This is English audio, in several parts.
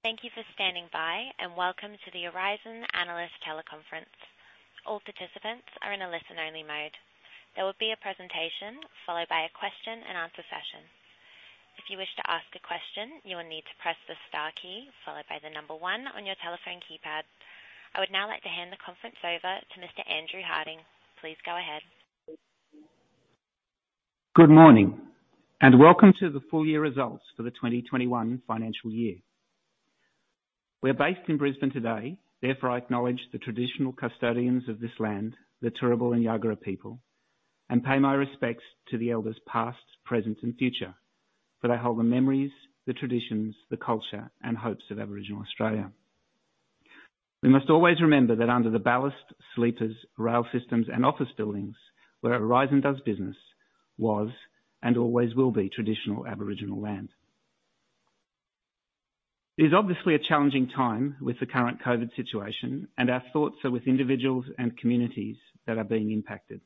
Thank you for standing by, and welcome to the Aurizon Analyst Teleconference. All participants are in a listen-only mode. There will be a presentation followed by a question and answer session. If you wish to ask a question, you will need to press the star key followed by the number one on your telephone keypad. I would now like to hand the conference over to Mr. Andrew Harding. Please go ahead. Good morning, and welcome to the full year results for the FY 2021. We're based in Brisbane today. I acknowledge the traditional custodians of this land, the Turrbal and Jagera people, and pay my respects to the elders past, present, and future, for they hold the memories, the traditions, the culture, and hopes of Aboriginal Australia. We must always remember that under the ballast, sleepers, rail systems, and office buildings where Aurizon does business was and always will be traditional Aboriginal land. It is obviously a challenging time with the current COVID situation, and our thoughts are with individuals and communities that are being impacted.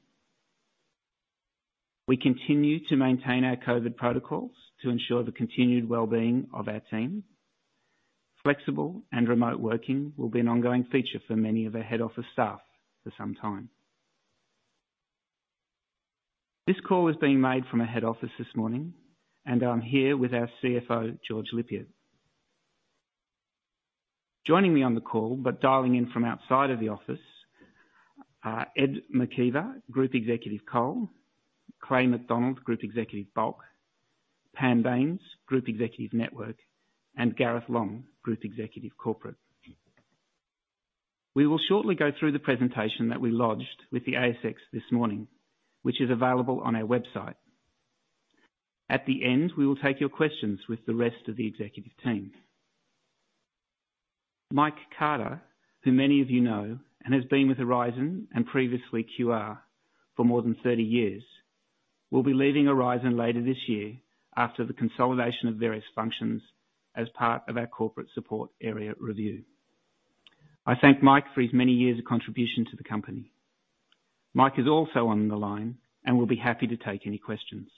We continue to maintain our COVID protocols to ensure the continued well-being of our team. Flexible and remote working will be an ongoing feature for many of our head office staff for some time. This call is being made from our head office this morning, and I'm here with our CFO, George Lippiatt. Joining me on the call, but dialing in from outside of the office are Ed McKeiver, Group Executive Coal; Clay McDonald, Group Executive Bulk; Pam Bains, Group Executive Network; and Gareth Long, Group Executive Corporate. We will shortly go through the presentation that we lodged with the ASX this morning, which is available on our website. At the end, we will take your questions with the rest of the executive team. Mike Carter, who many of you know and has been with Aurizon and previously QR for more than 30 years, will be leaving Aurizon later this year after the consolidation of various functions as part of our corporate support area review. I thank Mike for his many years of contribution to the company. Mike is also on the line and will be happy to take any questions.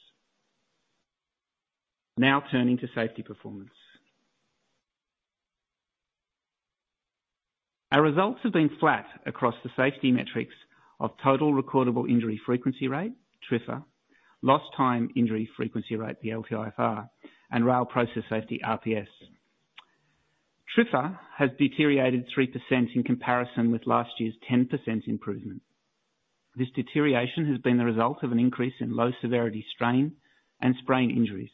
Now turning to safety performance. Our results have been flat across the safety metrics of total recordable injury frequency rate, TRIFR, lost time injury frequency rate, the LTIFR, and rail process safety, RPS. TRIFR has deteriorated 3% in comparison with last year's 10% improvement. This deterioration has been the result of an increase in low-severity strain and sprain injuries.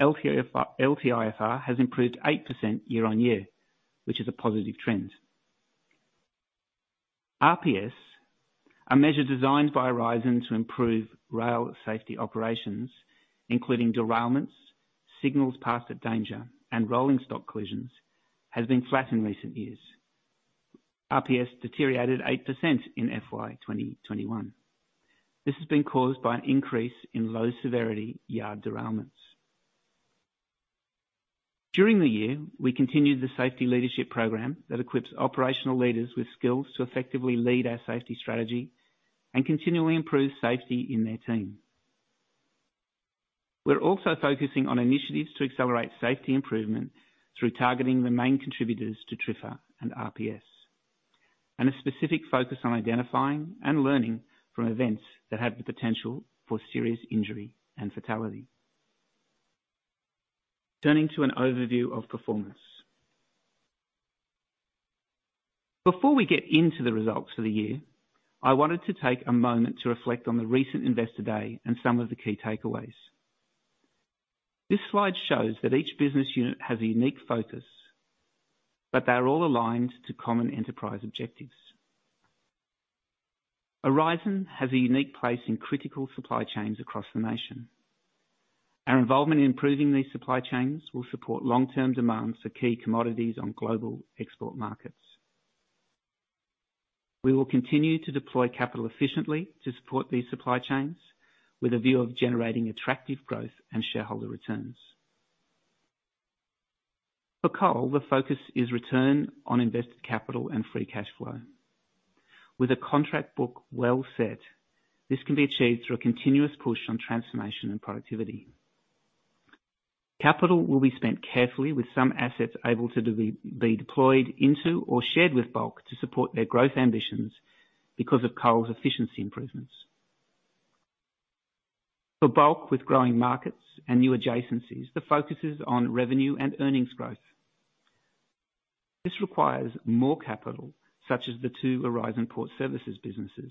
LTIFR has improved 8% year-on-year, which is a positive trend. RPS, a measure designed by Aurizon to improve rail safety operations, including derailments, signals passed at danger, and rolling stock collisions, has been flat in recent years. RPS deteriorated 8% in FY 2021. This has been caused by an increase in low-severity yard derailments. During the year, we continued the safety leadership program that equips operational leaders with skills to effectively lead our safety strategy and continually improve safety in their team. We are also focusing on initiatives to accelerate safety improvement through targeting the main contributors to TRIFR and RPS, and a specific focus on identifying and learning from events that have the potential for serious injury and fatality. Turning to an overview of performance. Before we get into the results for the year, I wanted to take a moment to reflect on the Investor Day and some of the key takeaways. This slide shows that each business unit has a unique focus, but they are all aligned to common enterprise objectives. Aurizon has a unique place in critical supply chains across the nation. Our involvement in improving these supply chains will support long-term demands for key commodities on global export markets. We will continue to deploy capital efficiently to support these supply chains with a view of generating attractive growth and shareholder returns. For Coal, the focus is return on invested capital and free cash flow. With a contract book well set, this can be achieved through a continuous push on transformation and productivity. Capital will be spent carefully with some assets able to be deployed into or shared with Bulk to support their growth ambitions because of Coal's efficiency improvements. For Bulk, with growing markets and new adjacencies, the focus is on revenue and earnings growth. This requires more capital, such as the two Aurizon Port Services businesses,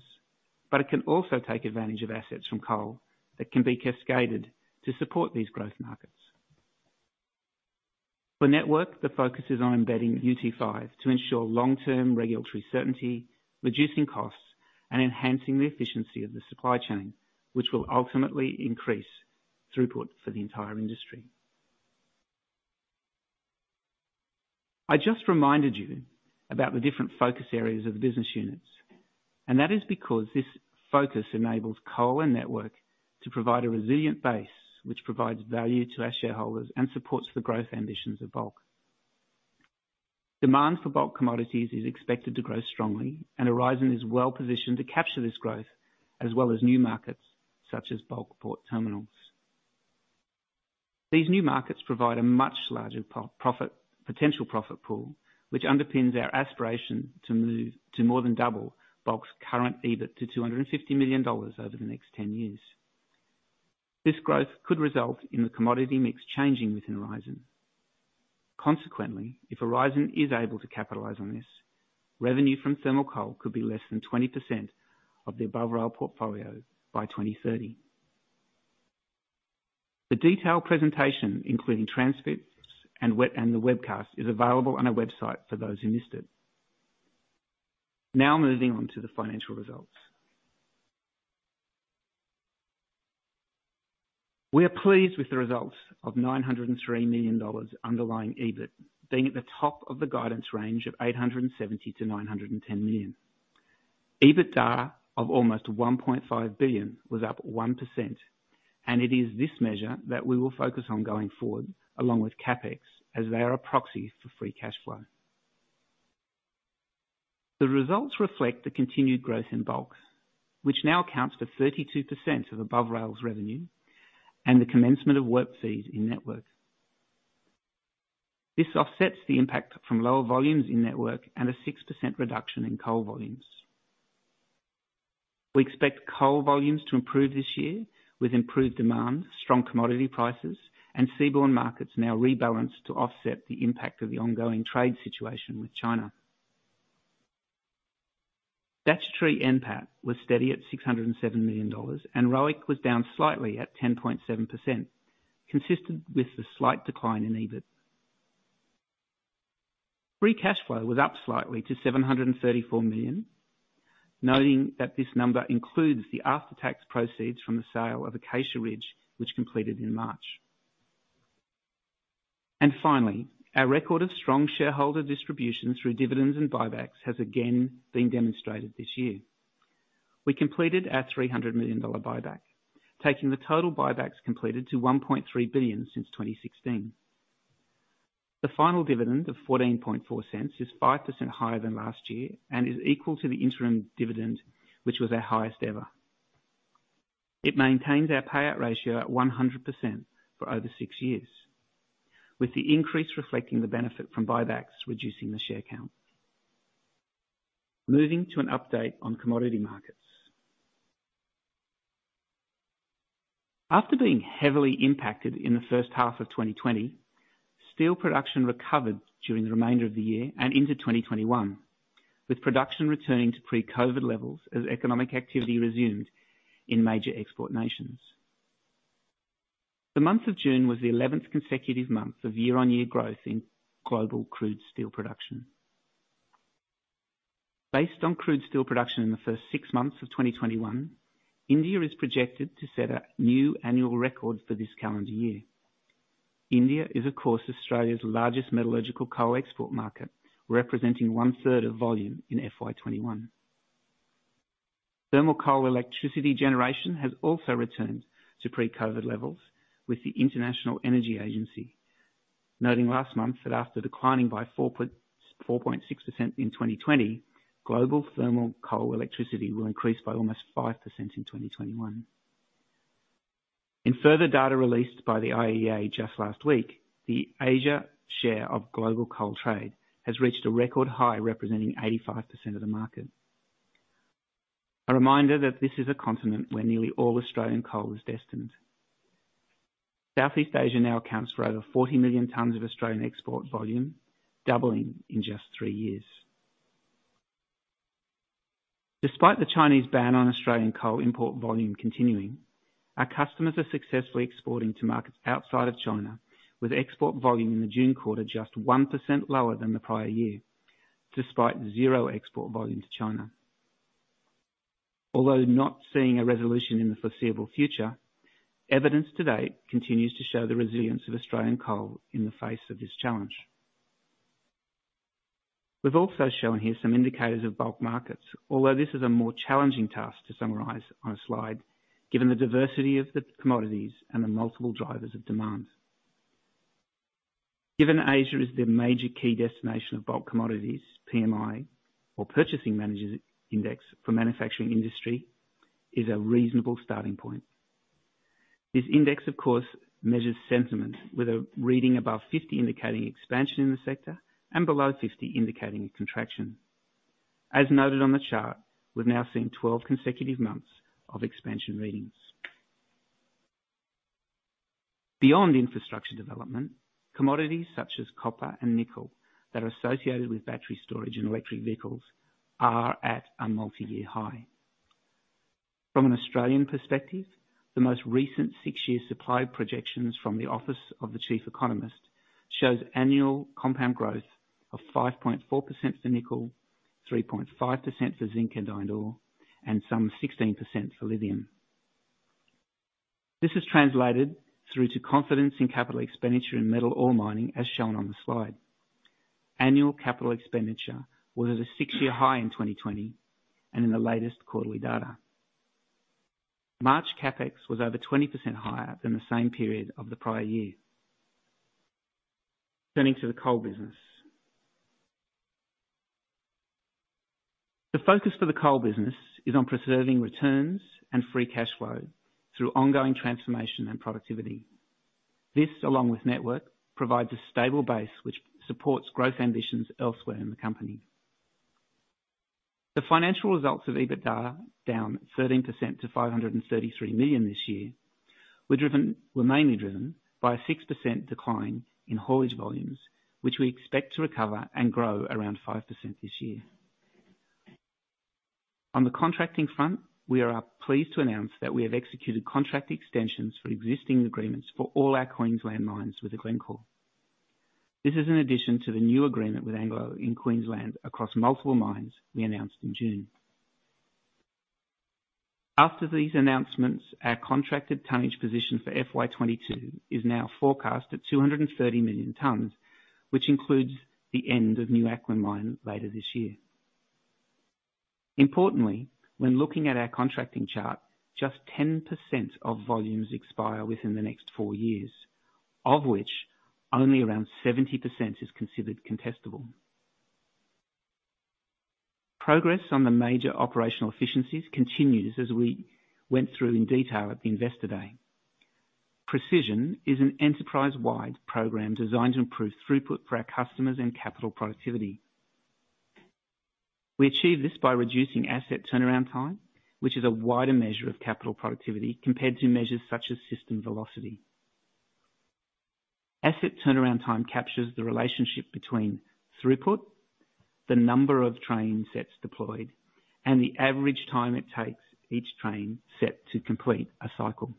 but it can also take advantage of assets from Coal that can be cascaded to support these growth markets. For Network, the focus is on embedding UT5 to ensure long-term regulatory certainty, reducing costs, and enhancing the efficiency of the supply chain, which will ultimately increase throughput for the entire industry. I just reminded you about the different focus areas of the business units. That is because this focus enables Coal and Network to provide a resilient base, which provides value to our shareholders and supports the growth ambitions of Bulk. demand for Bulk commodities is expected to grow strongly. Aurizon is well-positioned to capture this growth, as well as new markets such as Bulk port terminals. These new markets provide a much larger potential profit pool, which underpins our aspiration to more than double Bulk's current EBIT to 250 million dollars over the next 10 years. This growth could result in the commodity mix changing within Aurizon. Consequently, if Aurizon is able to capitalize on this, revenue from thermal Coal could be less than 20% of the Above Rail portfolio by 2030. The detailed presentation, including transcripts and the webcast, is available on our website for those who missed it. Moving on to the financial results. We are pleased with the results of 903 million dollars underlying EBIT being at the top of the guidance range of 870 million-910 million. EBITDA of almost 1.5 billion was up 1%, and it is this measure that we will focus on going forward, along with CapEx, as they are a proxy for free cash flow. The results reflect the continued growth in Bulks, which now accounts for 32% of Above Rail's revenue and the commencement of WIRP fees in Network. This offsets the impact from lower volumes in Network and a 6% reduction in Coal volumes. We expect Coal volumes to improve this year with improved demand, strong commodity prices, and seaborne markets now rebalanced to offset the impact of the ongoing trade situation with China. Statutory NPAT was steady at 607 million dollars, and ROIC was down slightly at 10.7%, consistent with the slight decline in EBIT. Free cash flow was up slightly to 734 million, noting that this number includes the after-tax proceeds from the sale of Acacia Ridge, which completed in March. Finally, our record of strong shareholder distribution through dividends and buybacks has again been demonstrated this year. We completed our 300 million dollar buyback, taking the total buybacks completed to 1.3 billion since 2016. The final dividend of 0.144 is 5% higher than last year and is equal to the interim dividend, which was our highest ever. It maintains our payout ratio at 100% for over six years, with the increase reflecting the benefit from buybacks reducing the share count. Moving to an update on commodity markets. After being heavily impacted in the first half of 2020, steel production recovered during the remainder of the year and into 2021, with production returning to pre-COVID levels as economic activity resumed in major export nations. The month of June was the 11th consecutive month of year-on-year growth in global crude steel production. Based on crude steel production in the first six months of 2021, India is projected to set a new annual record for this calendar year. India is, of course, Australia's largest metallurgical Coal export market, representing one-third of volume in FY 2021. Thermal Coal electricity generation has also returned to pre-COVID levels, with the International Energy Agency noting last month that after declining by 4.6% in 2020, global thermal Coal electricity will increase by almost 5% in 2021. In further data released by the IEA just last week, the Asia share of global Coal trade has reached a record high, representing 85% of the market. A reminder that this is a continent where nearly all Australian Coal is destined. Southeast Asia now accounts for over 40 million tons of Australian export volume, doubling in just three years. Despite the Chinese ban on Australian Coal import volume continuing, our customers are successfully exporting to markets outside of China, with export volume in the June quarter just 1% lower than the prior year, despite zero export volume to China. Although not seeing a resolution in the foreseeable future, evidence to date continues to show the resilience of Australian Coal in the face of this challenge. We've also shown here some indicators of Bulk markets, although this is a more challenging task to summarize on a slide given the diversity of the commodities and the multiple drivers of demands. Given Asia is the major key destination of Bulk commodities, PMI, or Purchasing Managers Index, for manufacturing industry is a reasonable starting point. This index, of course, measures sentiment with a reading above 50 indicating expansion in the sector and below 50 indicating a contraction. As noted on the chart, we've now seen 12 consecutive months of expansion readings. Beyond infrastructure development, commodities such as copper and nickel that are associated with battery storage and electric vehicles are at a multi-year high. From an Australian perspective, the most recent six-year supply projections from the Office of the Chief Economist shows annual compound growth of 5.4% for nickel, 3.5% for zinc and iron ore, and some 16% for lithium. This has translated through to confidence in capital expenditure in metal ore mining, as shown on the slide. Annual capital expenditure was at a six-year high in 2020 and in the latest quarterly data. March CapEx was over 20% higher than the same period of the prior year. Turning to the Coal business. The focus for the Coal business is on preserving returns and free cash flow through ongoing transformation and productivity. This, along with Network, provides a stable base which supports growth ambitions elsewhere in the company. The financial results of EBITDA, down 13% to 533 million this year, were mainly driven by a 6% decline in haulage volumes, which we expect to recover and grow around 5% this year. On the contracting front, we are pleased to announce that we have executed contract extensions for existing agreements for all our Queensland mines with Glencore. This is an addition to the new agreement with Anglo in Queensland across multiple mines we announced in June. After these announcements, our contracted tonnage position for FY 2022 is now forecast at 230 million tons, which includes the end of New Acland mine later this year. Importantly, when looking at our contracting chart, just 10% of volumes expire within the next four years, of which only around 70% is considered contestable. Progress on the major operational efficiencies continues as we went through in detail at the Investor Day. Precision is an enterprise-wide program designed to improve throughput for our customers and capital productivity. We achieve this by reducing asset turnaround time, which is a wider measure of capital productivity compared to measures such as system velocity. Asset turnaround time captures the relationship between throughput, the number of train sets deployed, and the average time it takes each train set to complete a cycle.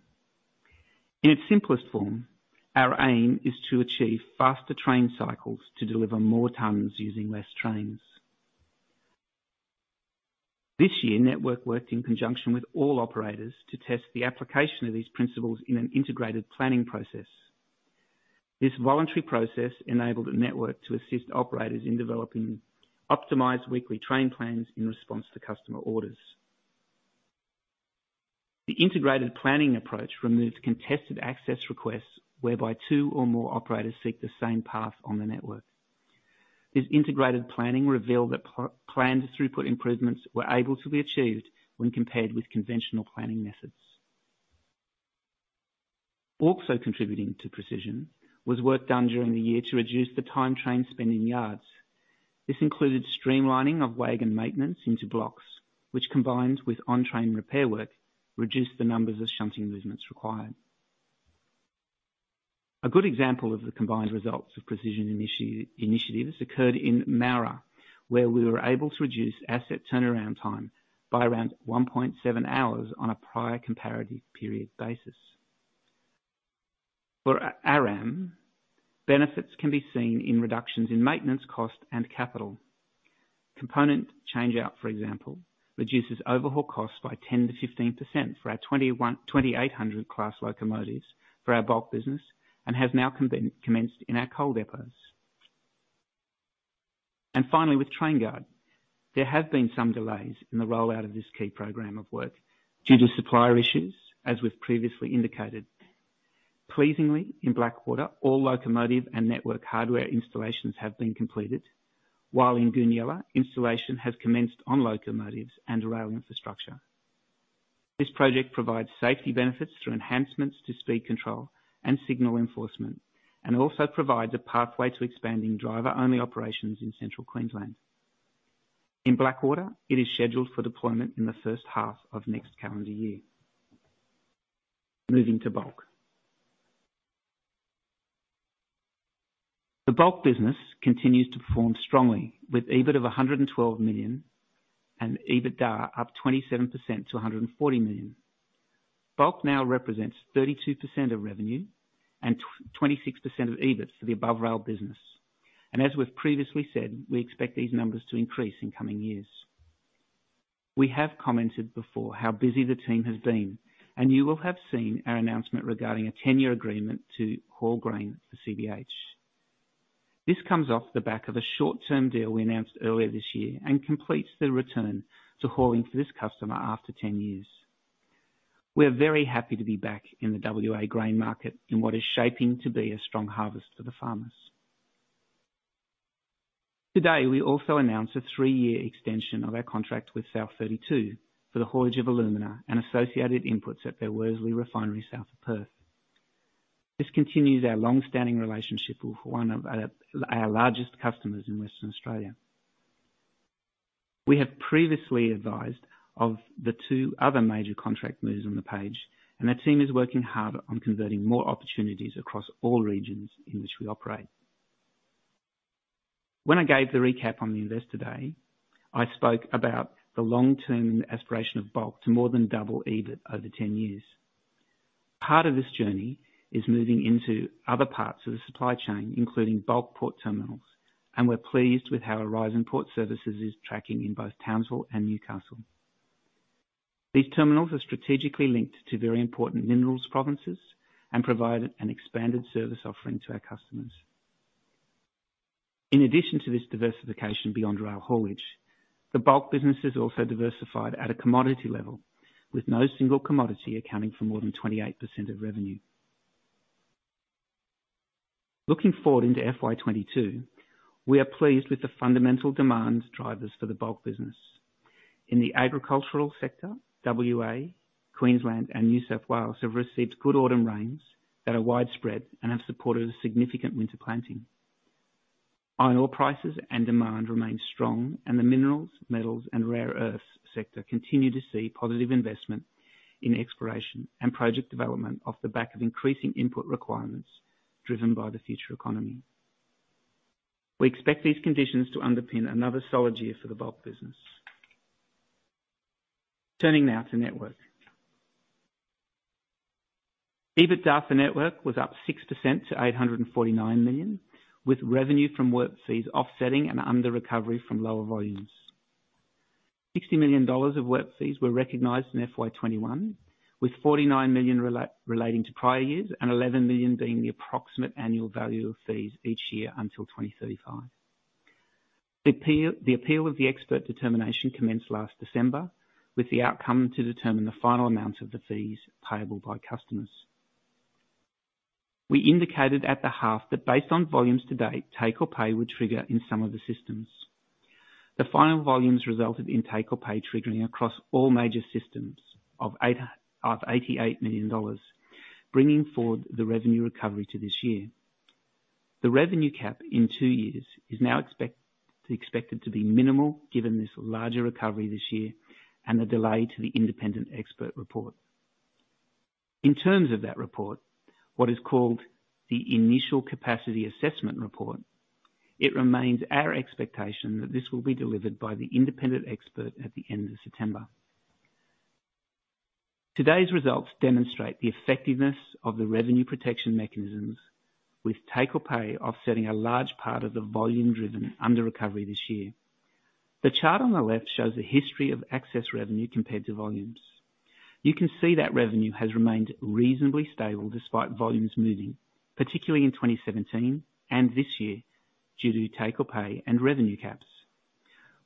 In its simplest form, our aim is to achieve faster train cycles to deliver more tons using less trains. This year, Network worked in conjunction with all operators to test the application of these principles in an integrated planning process. This voluntary process enabled the Network to assist operators in developing optimized weekly train plans in response to customer orders. The integrated planning approach removes contested access requests, whereby two or more operators seek the same path on the Network. This integrated planning revealed that planned throughput improvements were able to be achieved when compared with conventional planning methods. Also contributing to Precision was work done during the year to reduce the time trains spent in yards. This included streamlining of wagon maintenance into blocks, which combined with on-train repair work, reduced the numbers of shunting movements required. A good example of the combined results of Precision initiatives occurred in Moura, where we were able to reduce asset turnaround time by around 1.7 hours on a prior-comparative-period basis. For our ARAM, benefits can be seen in reductions in maintenance cost and capital. Component change-out, for example, reduces overhaul costs by 10%-15% for our 2800 class locomotives for our Bulk business and has now commenced in our Coal depots. Finally, with TrainGuard, there have been some delays in the rollout of this key program of work due to supplier issues, as we've previously indicated. Pleasingly, in Blackwater, all locomotive and network hardware installations have been completed, while in Goonyella, installation has commenced on locomotives and rail infrastructure. This project provides safety benefits through enhancements to speed control and signal enforcement, and also provides a pathway to expanding driver-only operations in Central Queensland. In Blackwater, it is scheduled for deployment in the first half of next calendar year. Moving to Bulk. The Bulk business continues to perform strongly with EBIT of 112 million and EBITDA up 27% to 140 million. Bulk now represents 32% of revenue and 26% of EBIT for the Above Rail business. As we've previously said, we expect these numbers to increase in coming years. We have commented before how busy the team has been, and you will have seen our announcement regarding a 10-year agreement to haul grain for CBH. This comes off the back of a short-term deal we announced earlier this year and completes the return to hauling for this customer after 10 years. We are very happy to be back in the WA grain market in what is shaping to be a strong harvest for the farmers. Today, we also announced a three-year extension of our contract with South32 for the haulage of alumina and associated inputs at their Worsley refinery, south of Perth. This continues our long-standing relationship with one of our largest customers in Western Australia. We have previously advised of the two other major contract moves on the page, and our team is working hard on converting more opportunities across all regions in which we operate. When I gave the recap on Investor Day, i spoke about the long-term aspiration of Bulk to more than double EBIT over 10 years. Part of this journey is moving into other parts of the supply chain, including Bulk port terminals, and we're pleased with how Aurizon Port Services is tracking in both Townsville and Newcastle. These terminals are strategically linked to very important minerals provinces and provide an expanded service offering to our customers. In addition to this diversification beyond rail haulage, the Bulk business is also diversified at a commodity level, with no single commodity accounting for more than 28% of revenue. Looking forward into FY 2022, we are pleased with the fundamental demand drivers for the Bulk business. In the agricultural sector, WA, Queensland, and New South Wales have received good autumn rains that are widespread and have supported a significant winter planting. Iron ore prices and demand remain strong, the minerals, metals, and rare earths sector continue to see positive investment in exploration and project development off the back of increasing input requirements driven by the future economy. We expect these conditions to underpin another solid year for the Bulk business. Turning now to network. EBITDA for network was up 6% to 849 million, with revenue from WIRP fees offsetting an under recovery from lower volumes. 60 million dollars of WIRP fees were recognized in FY 2021, with 49 million relating to prior years and 11 million being the approximate annual value of fees each year until 2035. The appeal of the expert determination commenced last December, with the outcome to determine the final amount of the fees payable by customers. We indicated at the half that based on volumes to date, take or pay would trigger in some of the systems. The final volumes resulted in take or pay triggering across all major systems of 88 million dollars, bringing forward the revenue recovery to this year. The revenue cap in two years is now expected to be minimal given this larger recovery this year and the delay to the independent expert report. In terms of that report, what is called the Initial Capacity Assessment Report, it remains our expectation that this will be delivered by the independent expert at the end of September. Today's results demonstrate the effectiveness of the revenue protection mechanisms with take or pay offsetting a large part of the volume driven under recovery this year. The chart on the left shows the history of access revenue compared to volumes. You can see that revenue has remained reasonably stable despite volumes moving, particularly in 2017 and this year, due to take or pay and revenue caps.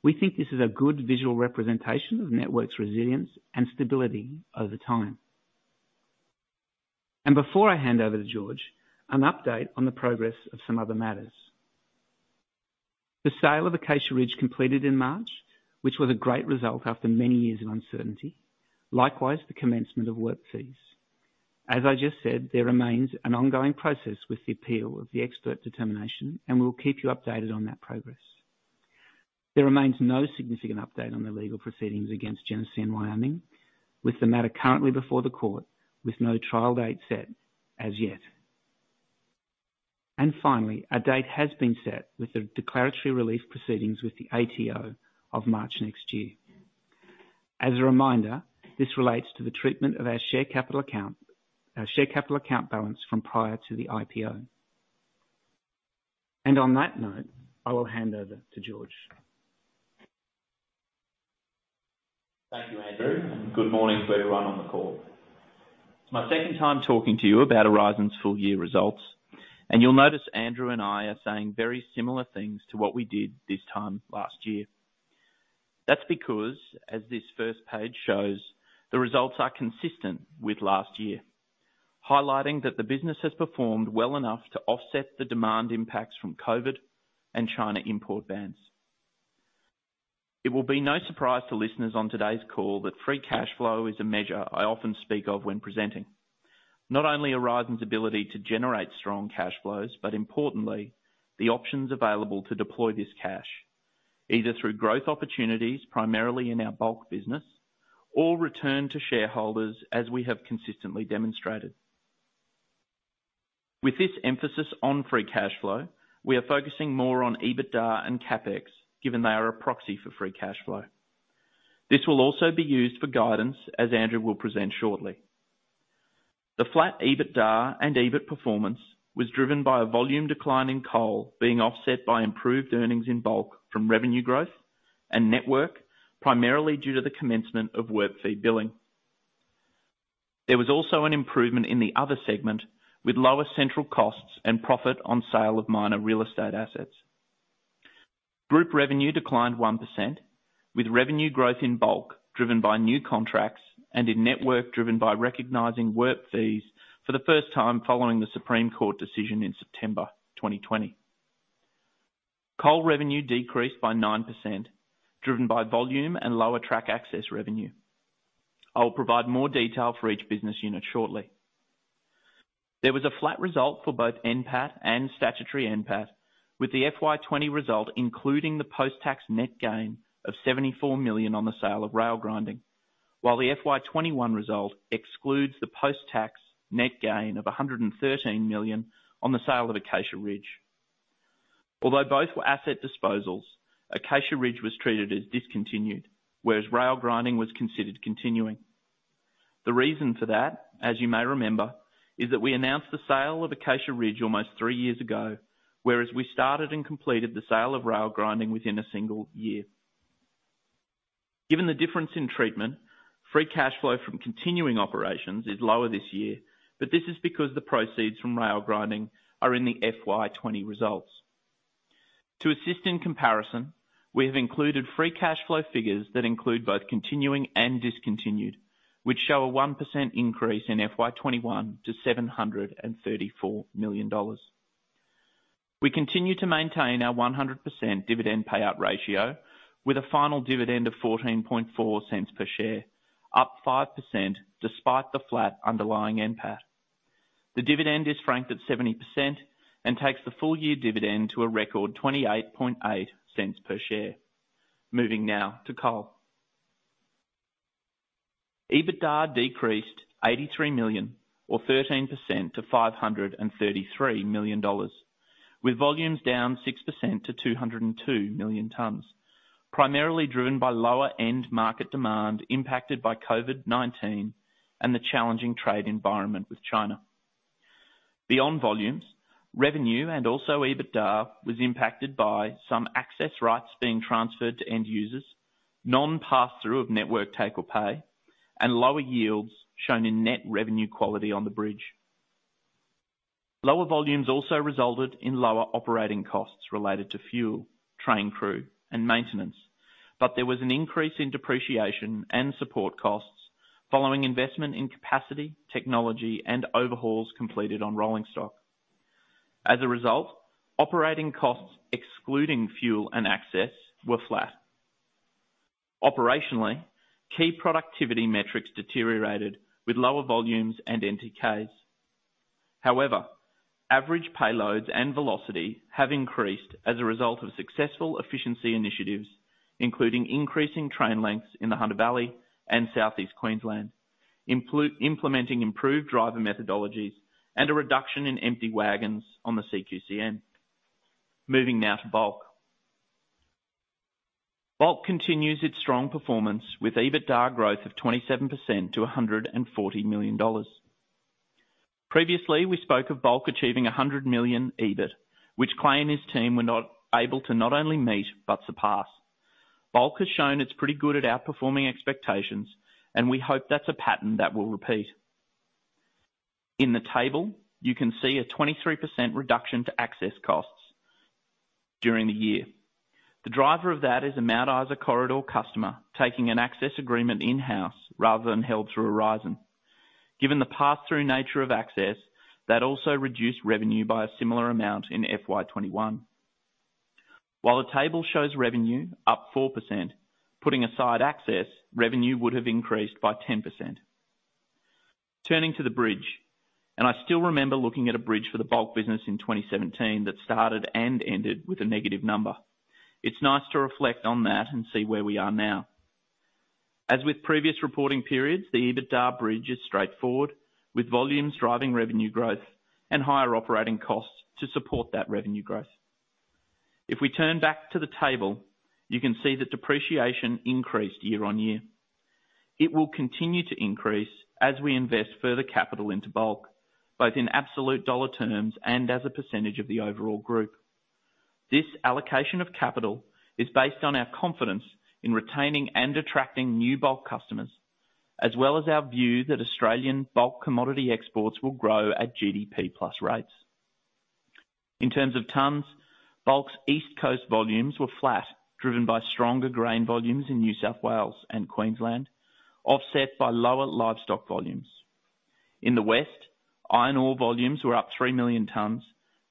We think this is a good visual representation of Network's resilience and stability over time. Before I hand over to George, an update on the progress of some other matters. The sale of Acacia Ridge completed in March, which was a great result after many years of uncertainty. Likewise, the commencement of WIRP fees. As I just said, there remains an ongoing process with the appeal of the expert determination, we will keep you updated on that progress. There remains no significant update on the legal proceedings against Genesee & Wyoming, with the matter currently before the court with no trial date set as yet. Finally, a date has been set with the declaratory relief proceedings with the ATO of March next year. As a reminder, this relates to the treatment of our share capital account balance from prior to the IPO. On that note, I will hand over to George. Thank you, Andrew, and good morning to everyone on the call. It's my second time talking to you about Aurizon's full-year results, and you'll notice Andrew and I are saying very similar things to what we did this time last year. That's because, as this first page shows, the results are consistent with last year, highlighting that the business has performed well enough to offset the demand impacts from COVID and China import bans. It will be no surprise to listeners on today's call that free cash flow is a measure I often speak of when presenting, not only Aurizon's ability to generate strong cash flows, but importantly, the options available to deploy this cash, either through growth opportunities, primarily in our Bulk business, or return to shareholders as we have consistently demonstrated. With this emphasis on free cash flow, we are focusing more on EBITDA and CapEx, given they are a proxy for free cash flow. This will also be used for guidance, as Andrew will present shortly. The flat EBITDA and EBIT performance was driven by a volume decline in Coal being offset by improved earnings in Bulk from revenue growth and Network, primarily due to the commencement of WIRP fee billing. There was also an improvement in the other segment with lower central costs and profit on sale of minor real estate assets. Group revenue declined 1%, with revenue growth in Bulk driven by new contracts and in Network driven by recognizing WIRP fees for the first time following the Supreme Court decision in September 2020. Coal revenue decreased by 9%, driven by volume and lower track access revenue. I will provide more detail for each business unit shortly. There was a flat result for both NPAT and statutory NPAT, with the FY 2020 result including the post-tax net gain of 74 million on the sale of Rail Grinding, while the FY 2021 result excludes the post-tax net gain of 113 million on the sale of Acacia Ridge. Although both were asset disposals, Acacia Ridge was treated as discontinued, whereas Rail Grinding was considered continuing. The reason for that, as you may remember, is that we announced the sale of Acacia Ridge almost three years ago, whereas we started and completed the sale of Rail Grinding within a single year. Given the difference in treatment, free cash flow from continuing operations is lower this year, but this is because the proceeds from Rail Grinding are in the FY 2020 results. To assist in comparison, we have included free cash flow figures that include both continuing and discontinued, which show a 1% increase in FY 2021 to 734 million dollars. We continue to maintain our 100% dividend payout ratio with a final dividend of 0.144 per share, up 5% despite the flat underlying NPAT. The dividend is franked at 70% and takes the full-year dividend to a record 0.288 per share. Moving now to Coal. EBITDA decreased 83 million or 13% to 533 million dollars, with volumes down 6% to 202 million tons, primarily driven by lower end market demand impacted by COVID-19 and the challenging trade environment with China. Beyond volumes, revenue and also EBITDA was impacted by some access rights being transferred to end users, non-pass-through of network take or pay, and lower yields shown in net revenue quality on the bridge. Lower volumes also resulted in lower operating costs related to fuel, train crew, and maintenance. There was an increase in Depreciation and support costs following investment in capacity, technology, and overhauls completed on rolling stock. As a result, operating costs excluding fuel and access were flat. Operationally, key productivity metrics deteriorated with lower volumes and NTKs. Average payloads and velocity have increased as a result of successful efficiency initiatives, including increasing train lengths in the Hunter Valley and Southeast Queensland, implementing improved driver methodologies, and a reduction in empty wagons on the CQCN. Moving now to Bulk. Bulk continues its strong performance with EBITDA growth of 27% to 140 million dollars. Previously, we spoke of Bulk achieving 100 million EBIT, which Clay and his team were able to not only meet but surpass. Bulk has shown it's pretty good at outperforming expectations, and we hope that's a pattern that will repeat. In the table, you can see a 23% reduction to access costs during the year. The driver of that is a Mount Isa corridor customer taking an access agreement in-house rather than held through Aurizon. Given the pass-through nature of access, that also reduced revenue by a similar amount in FY 2021. While the table shows revenue up 4%, putting aside access, revenue would have increased by 10%. Turning to the bridge, and I still remember looking at a bridge for the Bulk business in 2017 that started and ended with a negative number. It's nice to reflect on that and see where we are now. As with previous reporting periods, the EBITDA bridge is straightforward, with volumes driving revenue growth and higher operating costs to support that revenue growth. If we turn back to the table, you can see that depreciation increased year-on-year. It will continue to increase as we invest further capital into Bulk, both in absolute AUD terms and as a percentage of the overall group. This allocation of capital is based on our confidence in retaining and attracting new Bulk customers, as well as our view that Australian Bulk commodity exports will grow at GDP plus rates. In terms of tons, Bulk's East Coast volumes were flat, driven by stronger grain volumes in New South Wales and Queensland, offset by lower livestock volumes. In the West, iron ore volumes were up 3 million tons,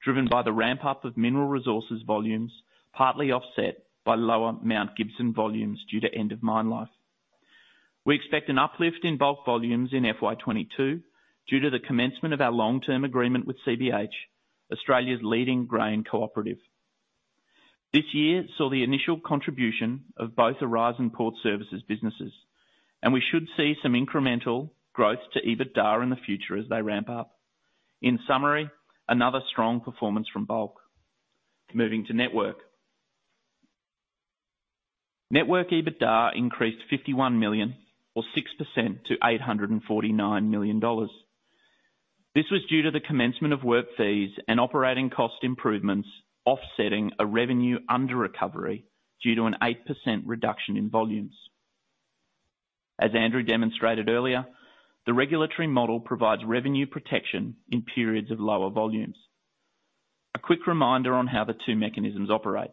driven by the ramp-up of Mineral Resources volumes, partly offset by lower Mount Gibson volumes due to end of mine life. We expect an uplift in Bulk volumes in FY 2022 due to the commencement of our long-term agreement with CBH, Australia's leading grain cooperative. This year saw the initial contribution of both Aurizon Port Services businesses, and we should see some incremental growth to EBITDA in the future as they ramp up. In summary, another strong performance from Bulk. Moving to Network. Network EBITDA increased 51 million or 6% to 849 million dollars. This was due to the commencement of WIRP fees and operating cost improvements offsetting a revenue under recovery due to an 8% reduction in volumes. As Andrew demonstrated earlier, the regulatory model provides revenue protection in periods of lower volumes. A quick reminder on how the two mechanisms operate.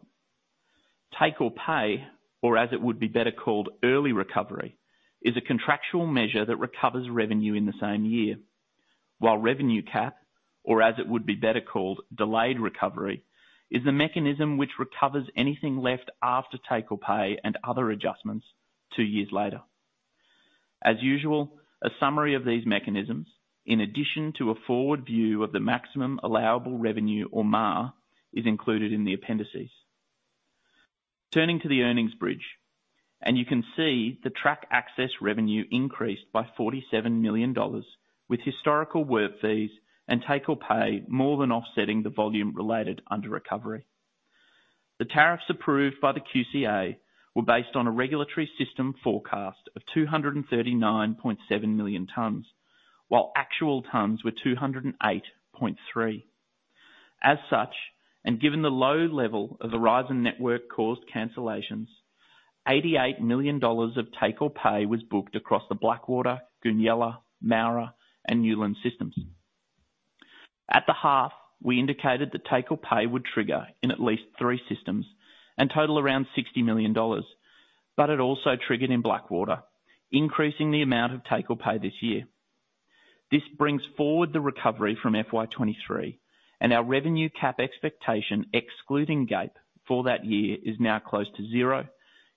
take or pay, or as it would be better called early recovery, is a contractual measure that recovers revenue in the same year. While revenue cap, or as it would be better called delayed recovery, is the mechanism which recovers anything left after take or pay and other adjustments two years later. As usual, a summary of these mechanisms, in addition to a forward view of the Maximum Allowable Revenue or MAR, is included in the appendices. Turning to the earnings bridge, you can see the track access revenue increased by 47 million dollars with historical WIRP fees and take or pay more than offsetting the volume related under recovery. The tariffs approved by the QCA were based on a regulatory system forecast of 239.7 million tons, while actual tons were 208.3. As such, and given the low level of Aurizon Network-caused cancellations, 88 million dollars of take or pay was booked across the Blackwater, Goonyella, Moura, and Newlands systems. At the half, we indicated that take or pay would trigger in at least three systems and total around 60 million dollars. It also triggered in Blackwater, increasing the amount of take or pay this year. This brings forward the recovery from FY 2023, and our revenue cap expectation, excluding GAPE for that year, is now close to zero,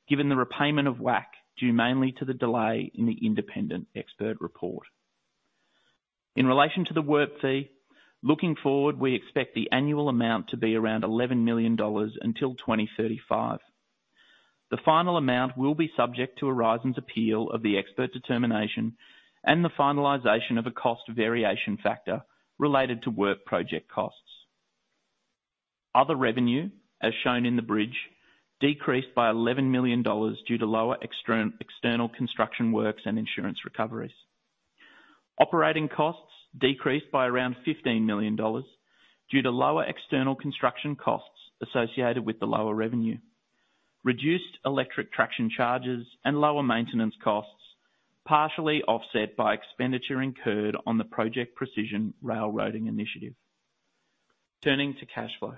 given the repayment of WACC, due mainly to the delay in the independent expert report. In relation to the work fee, looking forward, we expect the annual amount to be around 11 million dollars until 2035. The final amount will be subject to Aurizon's appeal of the expert determination and the finalization of a cost variation factor related to WIRP project costs. Other revenue, as shown in the bridge, decreased by AUD 11 million due to lower external construction works and insurance recoveries. Operating costs decreased by around 15 million dollars due to lower external construction costs associated with the lower revenue, reduced electric traction charges, and lower maintenance costs, partially offset by expenditure incurred on the Project Precision Railroading initiative. Turning to cash flow.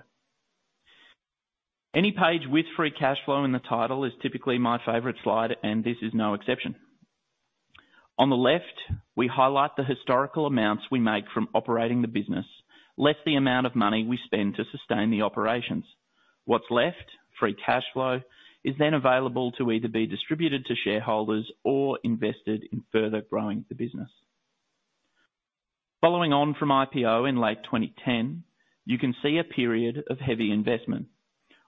Any page with free cash flow in the title is typically my favorite slide, and this is no exception. On the left, we highlight the historical amounts we make from operating the business, less the amount of money we spend to sustain the operations. What's left, free cash flow, is then available to either be distributed to shareholders or invested in further growing the business. Following on from IPO in late 2010, you can see a period of heavy investment.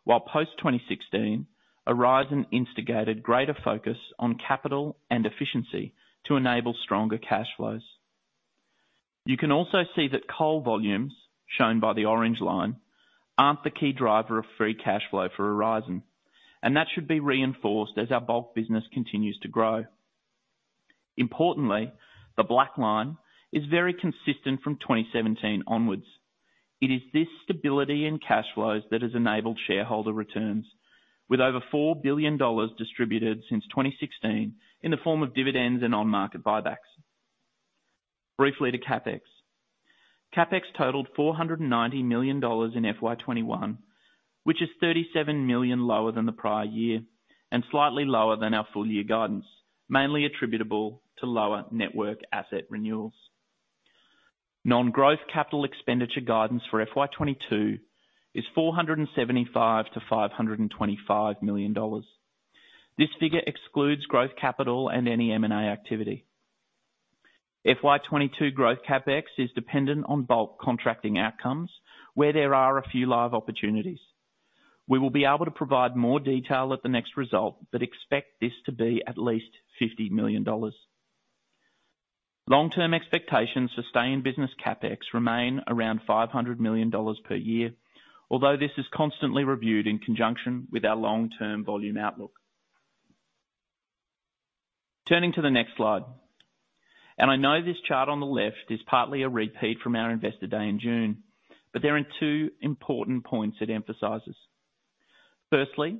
While post-2016, Aurizon instigated greater focus on capital and efficiency to enable stronger cash flows. You can also see that Coal volumes, shown by the orange line, aren't the key driver of free cash flow for Aurizon, and that should be reinforced as our Bulk business continues to grow. Importantly, the black line is very consistent from 2017 onwards. It is this stability in cash flows that has enabled shareholder returns with over 4 billion dollars distributed since 2016 in the form of dividends and on-market buybacks. Briefly to CapEx. CapEx totaled 490 million dollars in FY 2021, which is 37 million lower than the prior year and slightly lower than our full-year guidance, mainly attributable to lower network asset renewals. Non-growth capital expenditure guidance for FY 2022 is 475 million-525 million dollars. This figure excludes growth capital and any M&A activity. FY 2022 growth CapEx is dependent on Bulk contracting outcomes where there are a few live opportunities. We will be able to provide more detail at the next result, but expect this to be at least 50 million dollars. Long-term expectations sustained business CapEx remain around 500 million dollars per year. Although this is constantly reviewed in conjunction with our long-term volume outlook. Turning to the next slide. I know this chart on the left is partly a repeat from Investor Day in June, but there are two important points it emphasizes. Firstly,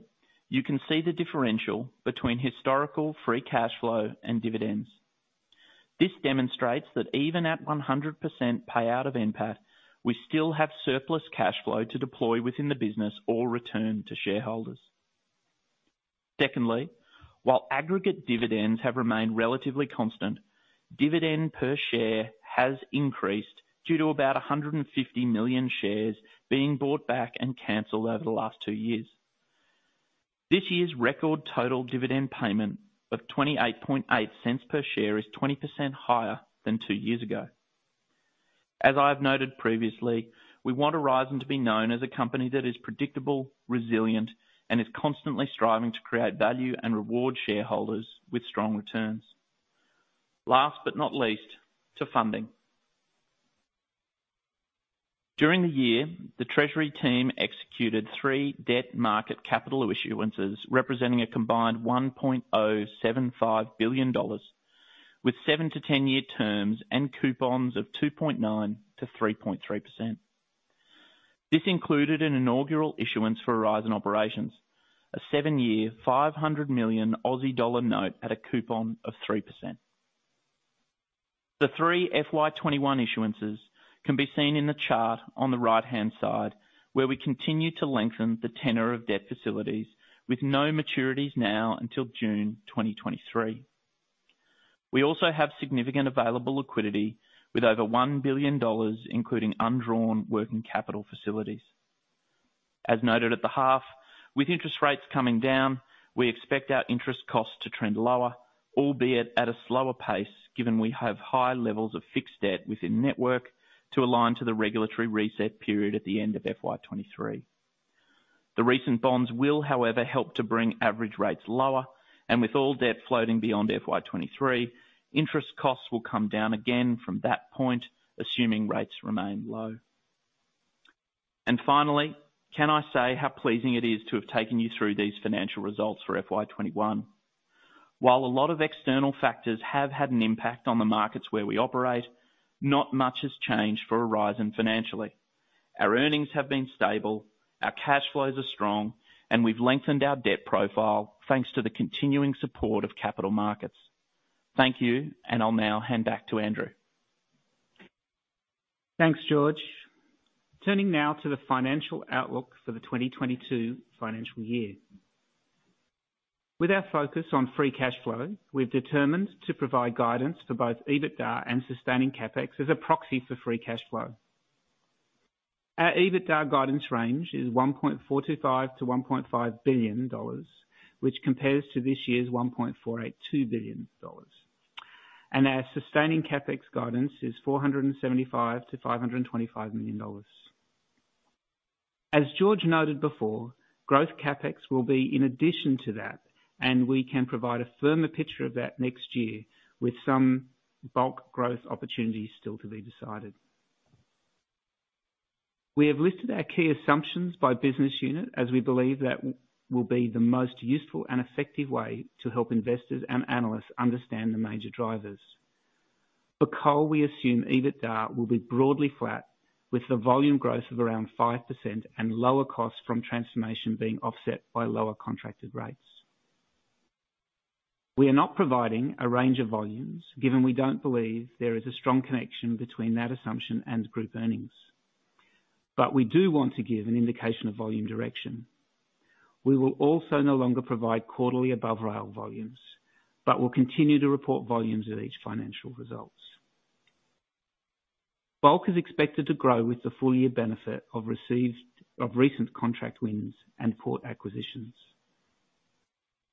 you can see the differential between historical free cash flow and dividends. This demonstrates that even at 100% payout of NPAT, we still have surplus cash flow to deploy within the business or return to shareholders. Secondly, while aggregate dividends have remained relatively constant, dividend per share has increased due to about 150 million shares being bought back and canceled over the last two years. This year's record total dividend payment of 0.288 per share is 20% higher than two years ago. As I've noted previously, we want Aurizon to be known as a company that is predictable, resilient, and is constantly striving to create value and reward shareholders with strong returns. Last but not least, to funding. During the year, the treasury team executed three debt market capital issuances representing a combined 1.075 billion dollars with 7-10 year terms and coupons of 2.9%-3.3%. This included an inaugural issuance for Aurizon Operations, a 7-year 500 million Aussie dollar note at a coupon of 3%. The three FY 2021 issuances can be seen in the chart on the right-hand side, where we continue to lengthen the tenor of debt facilities with no maturities now until June 2023. We also have significant available liquidity with over 1 billion dollars, including undrawn working capital facilities. As noted at the half, with interest rates coming down, we expect our interest costs to trend lower, albeit at a slower pace, given we have high levels of fixed debt within the network to align to the regulatory reset period at the end of FY 2023. The recent bonds will, however, help to bring average rates lower, with all debt floating beyond FY 2023, interest costs will come down again from that point, assuming rates remain low. Finally, can I say how pleasing it is to have taken you through these financial results for FY 2021? While a lot of external factors have had an impact on the markets where we operate, not much has changed for Aurizon financially. Our earnings have been stable, our cash flows are strong, and we've lengthened our debt profile thanks to the continuing support of capital markets. Thank you. I'll now hand back to Andrew. Thanks, George. Turning now to the financial outlook for the 2022 financial year. With our focus on free cash flow, we've determined to provide guidance for both EBITDA and sustaining CapEx as a proxy for free cash flow. Our EBITDA guidance range is 1.425 billion-1.5 billion dollars, which compares to this year's 1.482 billion dollars. Our sustaining CapEx guidance is 475 million-525 million dollars. As George noted before, growth CapEx will be in addition to that, and we can provide a firmer picture of that next year with some Bulk growth opportunities still to be decided. We have listed our key assumptions by business unit, as we believe that will be the most useful and effective way to help investors and analysts understand the major drivers. For Coal, we assume EBITDA will be broadly flat with the volume growth of around 5% and lower costs from transformation being offset by lower contracted rates. We are not providing a range of volumes given we don't believe there is a strong connection between that assumption and group earnings. We do want to give an indication of volume direction. We will also no longer provide quarterly above-rail volumes, but will continue to report volumes at each financial results. Bulk is expected to grow with the full year benefit of recent contract wins and port acquisitions.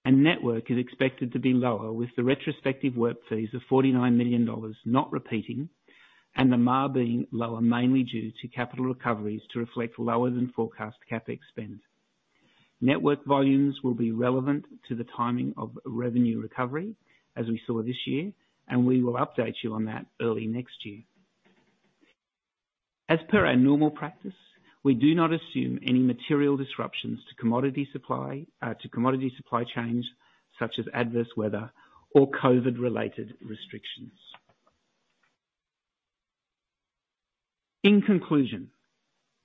Network is expected to be lower with the retrospective WIRP fees of 49 million dollars not repeating and the MAR being lower mainly due to capital recoveries to reflect lower than forecast CapEx spend. Network volumes will be relevant to the timing of revenue recovery as we saw this year, and we will update you on that early next year. As per our normal practice, we do not assume any material disruptions to commodity supply chains, such as adverse weather or COVID-related restrictions. In conclusion,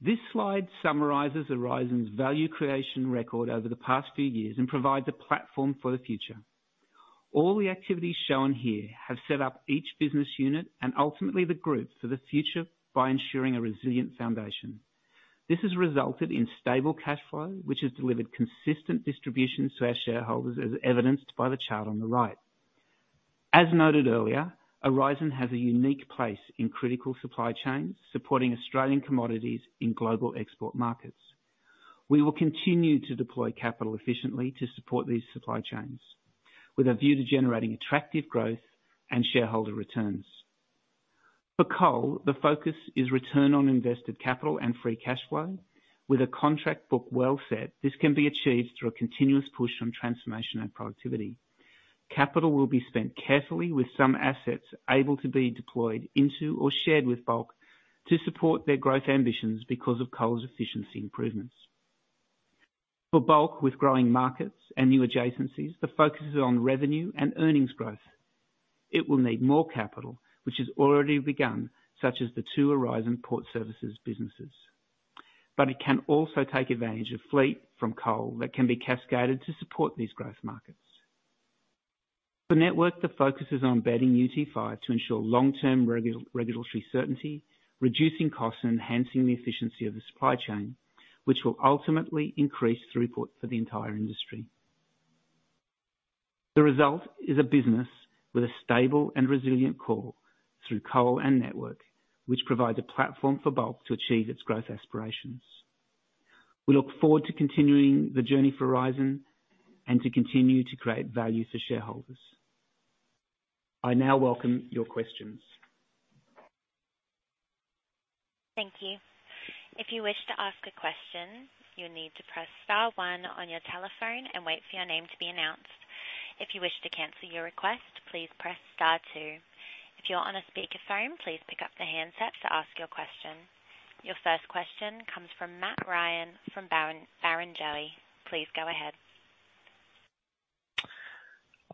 this slide summarizes Aurizon's value creation record over the past few years and provides a platform for the future. All the activities shown here have set up each business unit and ultimately the group for the future by ensuring a resilient foundation. This has resulted in stable cash flow, which has delivered consistent distributions to our shareholders, as evidenced by the chart on the right. As noted earlier, Aurizon has a unique place in critical supply chains supporting Australian commodities in global export markets. We will continue to deploy capital efficiently to support these supply chains with a view to generating attractive growth and shareholder returns. For Coal, the focus is return on invested capital and free cash flow. With a contract book well set, this can be achieved through a continuous push on transformation and productivity. Capital will be spent carefully with some assets able to be deployed into or shared with Bulk to support their growth ambitions because of Coal's efficiency improvements. For Bulk, with growing markets and new adjacencies, the focus is on revenue and earnings growth. It will need more capital, which has already begun, such as the two Aurizon Port Services businesses. It can also take advantage of fleet from Coal that can be cascaded to support these growth markets. For Network, the focus is on bedding UT5 to ensure long-term regulatory certainty, reducing costs, and enhancing the efficiency of the supply chain, which will ultimately increase throughput for the entire industry. The result is a business with a stable and resilient core through Coal and Network, which provide a platform for Bulk to achieve its growth aspirations. We look forward to continuing the journey for Aurizon and to continue to create value for shareholders. I now welcome your questions. Thank you. If you wish to ask a question, you need to press star one on your telephone and wait for your name to be announced. If you wish to cancel your request, please press star two. If you're on a speakerphone, please pick up the handset to ask your question. Your first question comes from Matt Ryan from Barrenjoey. Please go ahead.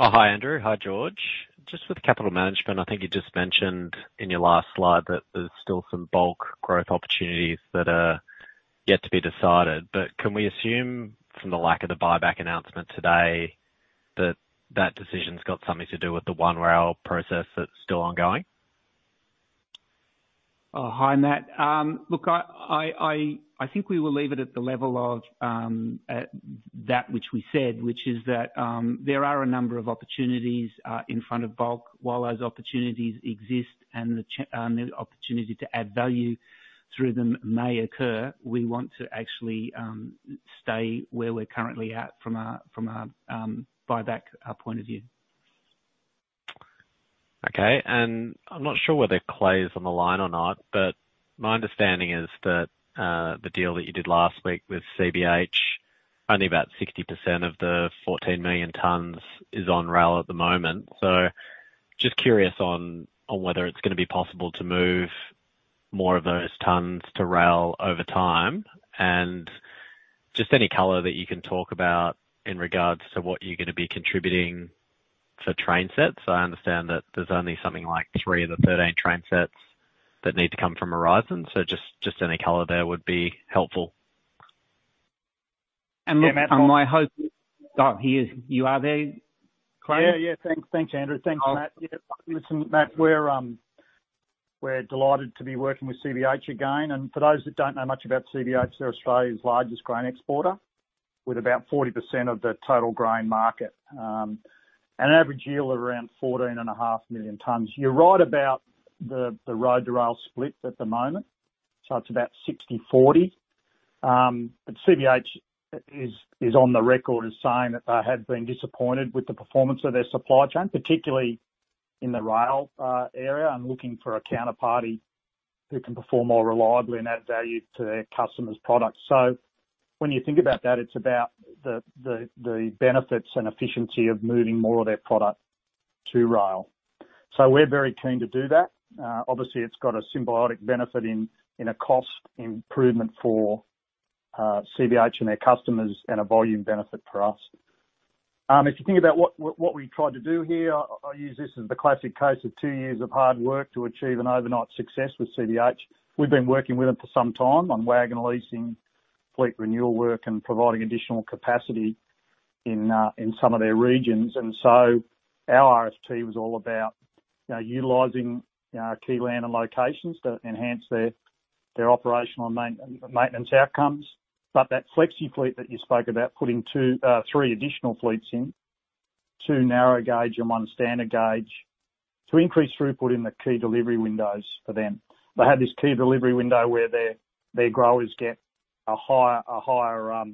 Hi, Andrew. Hi, George. Just with capital management, I think you just mentioned in your last slide that there's still some Bulk growth opportunities that are yet to be decided. Can we assume from the lack of the buyback announcement today that that decision's got something to do with the One Rail process that's still ongoing? Hi, Matt. Look, I think we will leave it at the level of that which we said, which is that there are a number of opportunities in front of Bulk. While those opportunities exist and the opportunity to add value through them may occur, we want to actually stay where we're currently at from a buyback point of view. Okay. I'm not sure whether Clay is on the line or not, but my understanding is that, the deal that you did last week with CBH, only about 60% of the 14 million tons is on rail at the moment. Just curious on whether it's going to be possible to move more of those tons to rail over time, and just any color that you can talk about in regards to what you're going to be contributing for train sets. I understand that there's only something like three of the 13 train sets that need to come from Aurizon, so just any color there would be helpful. Look, my hope You are there, Clay? Thanks, Andrew. Thanks, Matt. Listen, Matt, we're delighted to be working with CBH again. For those that don't know much about CBH, they're Australia's largest grain exporter with about 40% of the total grain market. An average yield of around 14.5 million tons. You're right about the road to rail split at the moment. It's about 60/40. CBH is on the record as saying that they have been disappointed with the performance of their supply chain, particularly in the rail area, and looking for a counterparty who can perform more reliably and add value to their customers' products. When you think about that, it's about the benefits and efficiency of moving more of their product to rail. We're very keen to do that. Obviously, it's got a symbiotic benefit in a cost improvement for CBH and their customers and a volume benefit for us. If you think about what we tried to do here, I use this as the classic case of two years of hard work to achieve an overnight success with CBH. We've been working with them for some time on wagon leasing, fleet renewal work, and providing additional capacity in some of their regions. Our RFP was all about utilizing our key land and locations to enhance their operational and maintenance outcomes. That flexi fleet that you spoke about, putting three additional fleets in, two narrow gauge and one standard gauge, to increase throughput in the key delivery windows for them. They have this key delivery window where their growers get a higher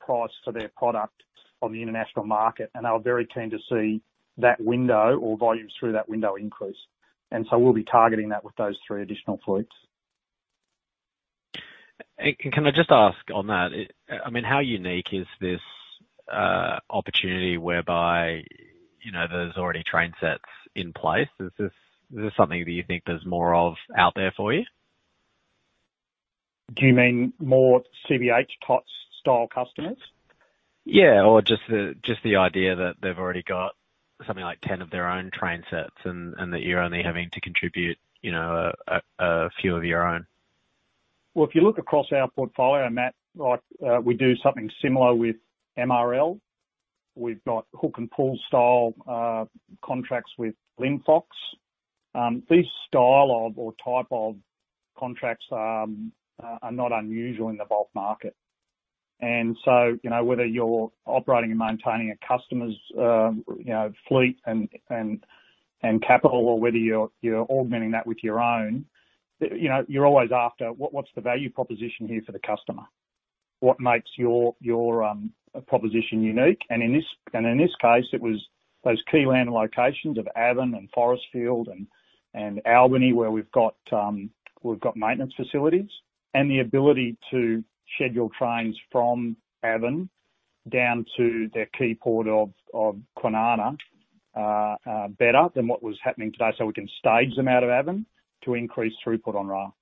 price for their product on the international market, and they were very keen to see that window or volumes through that window increase. We'll be targeting that with those three additional fleets. Can I just ask on that, how unique is this opportunity whereby there is already train sets in place? Is this something that you think there is more of out there for you? Do you mean more CBH-type style customers? Yeah. Just the idea that they've already got something like 10 of their own train sets and that you're only having to contribute a few of your own. Well, if you look across our portfolio, Matt, we do something similar with MRL. We've got hook and pull style contracts with Glencore. These style of or type of contracts are not unusual in the Bulk market. Whether you're operating and maintaining a customer's fleet and capital or whether you're augmenting that with your own, you're always after what's the value proposition here for the customer? What makes your proposition unique? In this case, it was those key land locations of Avon and Forrestfield and Albany where we've got maintenance facilities and the ability to schedule trains from Avon down to their key port of Kwinana better than what was happening today. We can stage them out of Avon to increase throughput on rail.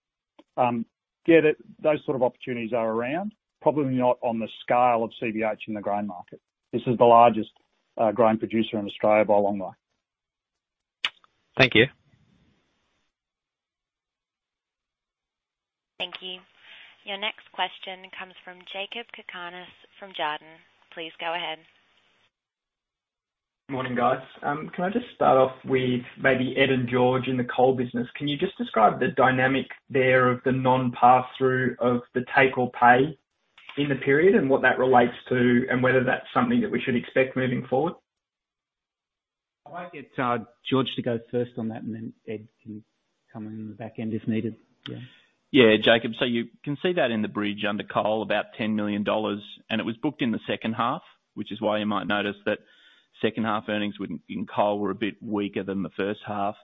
Those sort of opportunities are around, probably not on the scale of CBH in the grain market. This is the largest grain producer in Australia by a long way. Thank you. Thank you. Your next question comes from Jakob Cakarnis from Jarden. Please go ahead. Morning, guys. Can I just start off with maybe Ed and George in the Coal business. Can you just describe the dynamic there of the non-passthrough of the take-or-pay in the period and what that relates to and whether that's something that we should expect moving forward? I might get George to go first on that, and then Ed can come in the back end if needed. Yeah. Jakob, you can see that in the bridge under Coal, about 10 million dollars, it was booked in the second half, which is why you might notice that second half earnings in Coal were a bit weaker than the first half.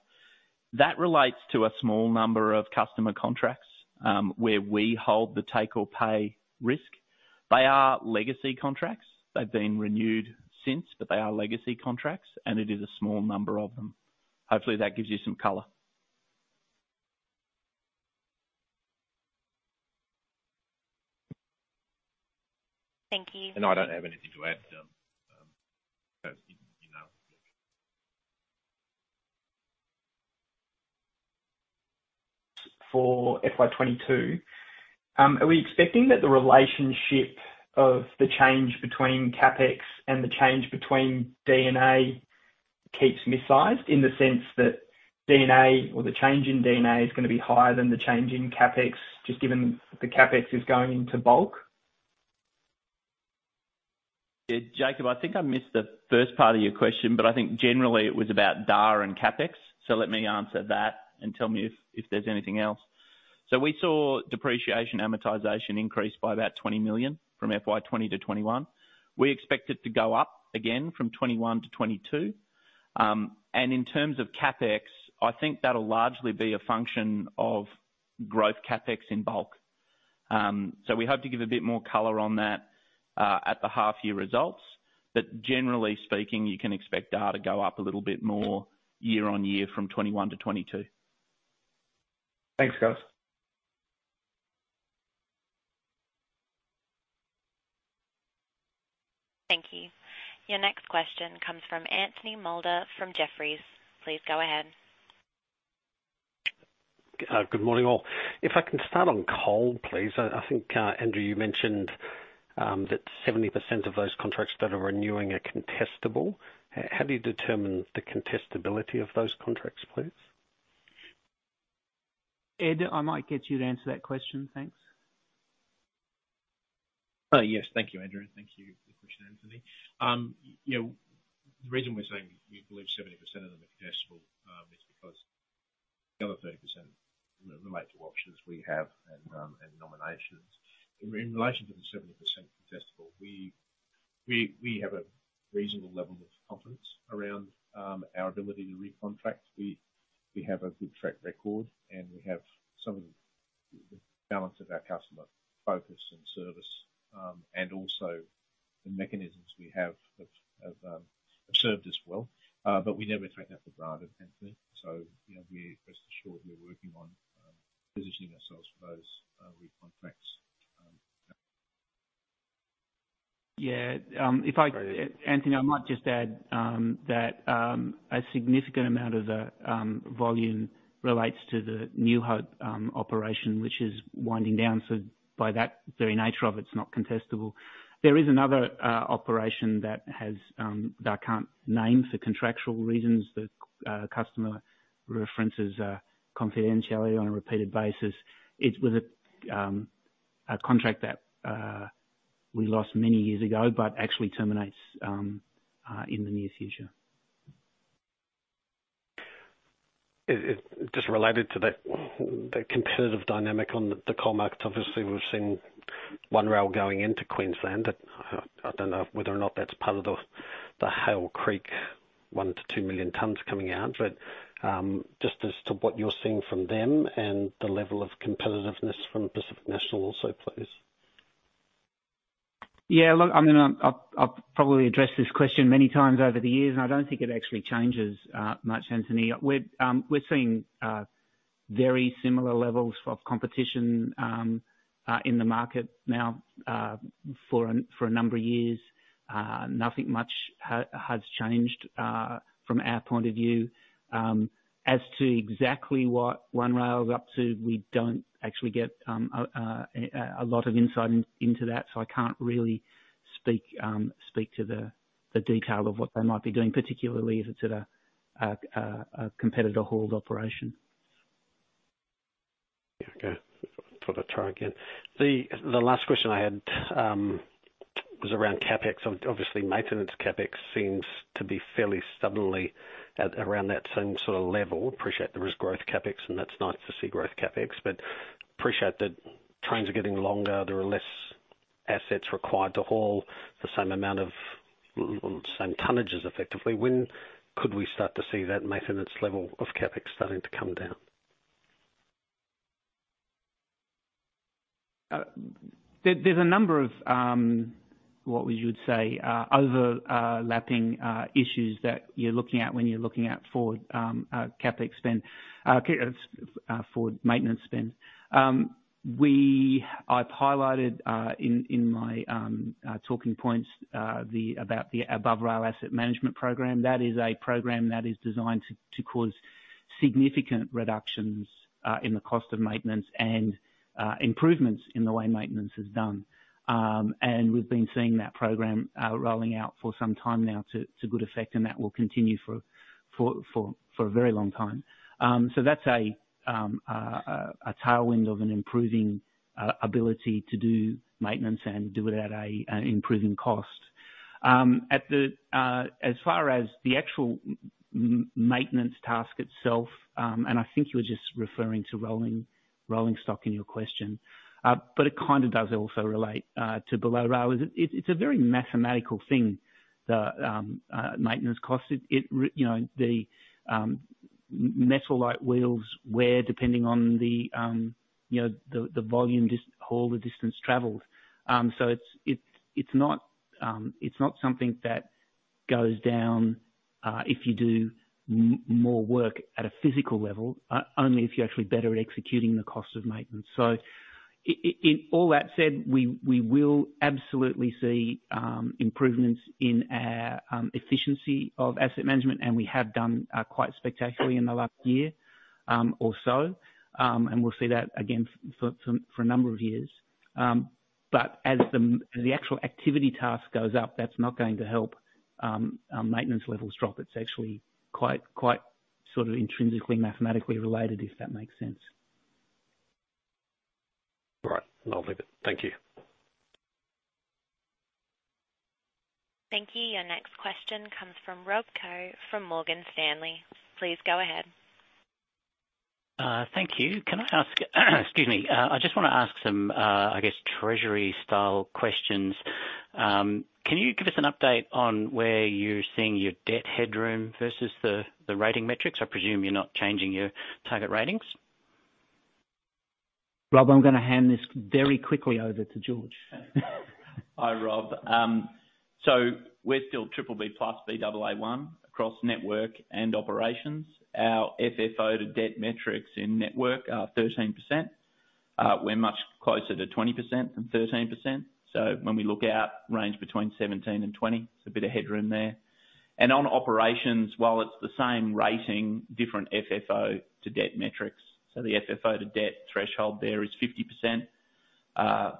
That relates to a small number of customer contracts, where we hold the take-or-pay risk. They are legacy contracts. They've been renewed since, they are legacy contracts, it is a small number of them. Hopefully, that gives you some color. Thank you. I don't have anything to add. For FY 2022, are we expecting that the relationship of the change between CapEx and the change between D&A keeps outsized in the sense that D&A or the change in D&A is going to be higher than the change in CapEx, just given the CapEx is going into Bulk? Yeah, Jakob, I think I missed the first part of your question, but I think generally it was about D&A and CapEx. Let me answer that and tell me if there's anything else. We saw depreciation and amortisation increase by about 20 million from FY 2020 to FY 2021. We expect it to go up again from FY 2021 to FY 2022. In terms of CapEx, I think that'll largely be a function of growth CapEx in Bulk. We hope to give a bit more color on that at the half-year results. Generally speaking, you can expect D&A to go up a little bit more year-over-year from 2021 to 2022. Thanks, guys. Thank you. Your next question comes from Anthony Moulder from Jefferies. Please go ahead. Good morning, all. If I can start on Coal, please. I think, Andrew, you mentioned that 70% of those contracts that are renewing are contestable. How do you determine the contestability of those contracts, please? Ed, I might get you to answer that question. Thanks. Thank you, Andrew, and thank you for the question, Anthony. The reason we're saying we believe 70% of them are contestable is because the other 30% relate to options we have and nominations. In relation to the 70% contestable, we have a reasonable level of confidence around our ability to recontract. We have a good track record, and we have some of the balance of our customer focus and service, and also the mechanisms we have have served us well. We never take that for granted, Anthony. Rest assured we're working on positioning ourselves for those recontracts. Yeah. Anthony, I might just add that a significant amount of the volume relates to the New Hope operation, which is winding down. By that very nature of it's not contestable. There is another operation that I can't name for contractual reasons, the customer references confidentiality on a repeated basis. It was a contract that we lost many years ago, but actually terminates in the near future. Just related to that competitive dynamic on the Coal market, obviously we've seen One Rail going into Queensland that I don't know whether or not that's part of the Hail Creek 1 million-2 million tons coming out. Just as to what you're seeing from them and the level of competitiveness from Pacific National also, please. Yeah, look, I've probably addressed this question many times over the years, and I don't think it actually changes much, Anthony. We're seeing very similar levels of competition in the market now for a number of years. Nothing much has changed from our point of view. As to exactly what One Rail is up to, we don't actually get a lot of insight into that, so I can't really speak to the detail of what they might be doing, particularly if it's at a competitor hauled operation. Okay. Thought I'd try again. The last question I had was around CapEx. Obviously, maintenance CapEx seems to be fairly stubbornly at around that same sort of level. Appreciate there is growth CapEx, and that's nice to see growth CapEx, but appreciate that trains are getting longer. There are less assets required to haul the same tonnages effectively. When could we start to see that maintenance level of CapEx starting to come down? There's a number of, what you would say, overlapping issues that you're looking at when you're looking at forward CapEx spend for maintenance spend. I've highlighted in my talking points about the Above Rail Asset Management program. That is a program that is designed to cause significant reductions in the cost of maintenance and improvements in the way maintenance is done. We've been seeing that program rolling out for some time now to good effect, and that will continue for a very long time. That's a tailwind of an improving ability to do maintenance and do it at an improving cost. As far as the actual maintenance task itself, and I think you were just referring to rolling stock in your question, but it kind of does also relate to below rail. It's a very mathematical thing, the maintenance cost. The metal light wheels wear depending on the volume just haul the distance traveled. It's not something that goes down if you do more work at a physical level, only if you're actually better at executing the cost of maintenance. All that said, we will absolutely see improvements in our efficiency of asset management, and we have done quite spectacularly in the last year or so. We'll see that again for a number of years. As the actual activity task goes up, that's not going to help maintenance levels drop. It's actually quite sort of intrinsically mathematically related, if that makes sense. Right. Lovely. Thank you. Thank you. Your next question comes from Rob Koh from Morgan Stanley. Please go ahead. Thank you. Can I ask excuse me. I just want to ask some, I guess, treasury style questions. Can you give us an update on where you're seeing your debt headroom versus the rating metrics? I presume you're not changing your target ratings. Rob, I'm going to hand this very quickly over to George. Hi, Rob. We are still BBB plus, Baa1 across Network and Operations. Our FFO to debt metrics in Network are 13%. We are much closer to 20% than 13%. When we look out, range between 17% and 20%, there is a bit of headroom there. On Operations, while it is the same rating, different FFO to debt metrics. The FFO to debt threshold there is 50%.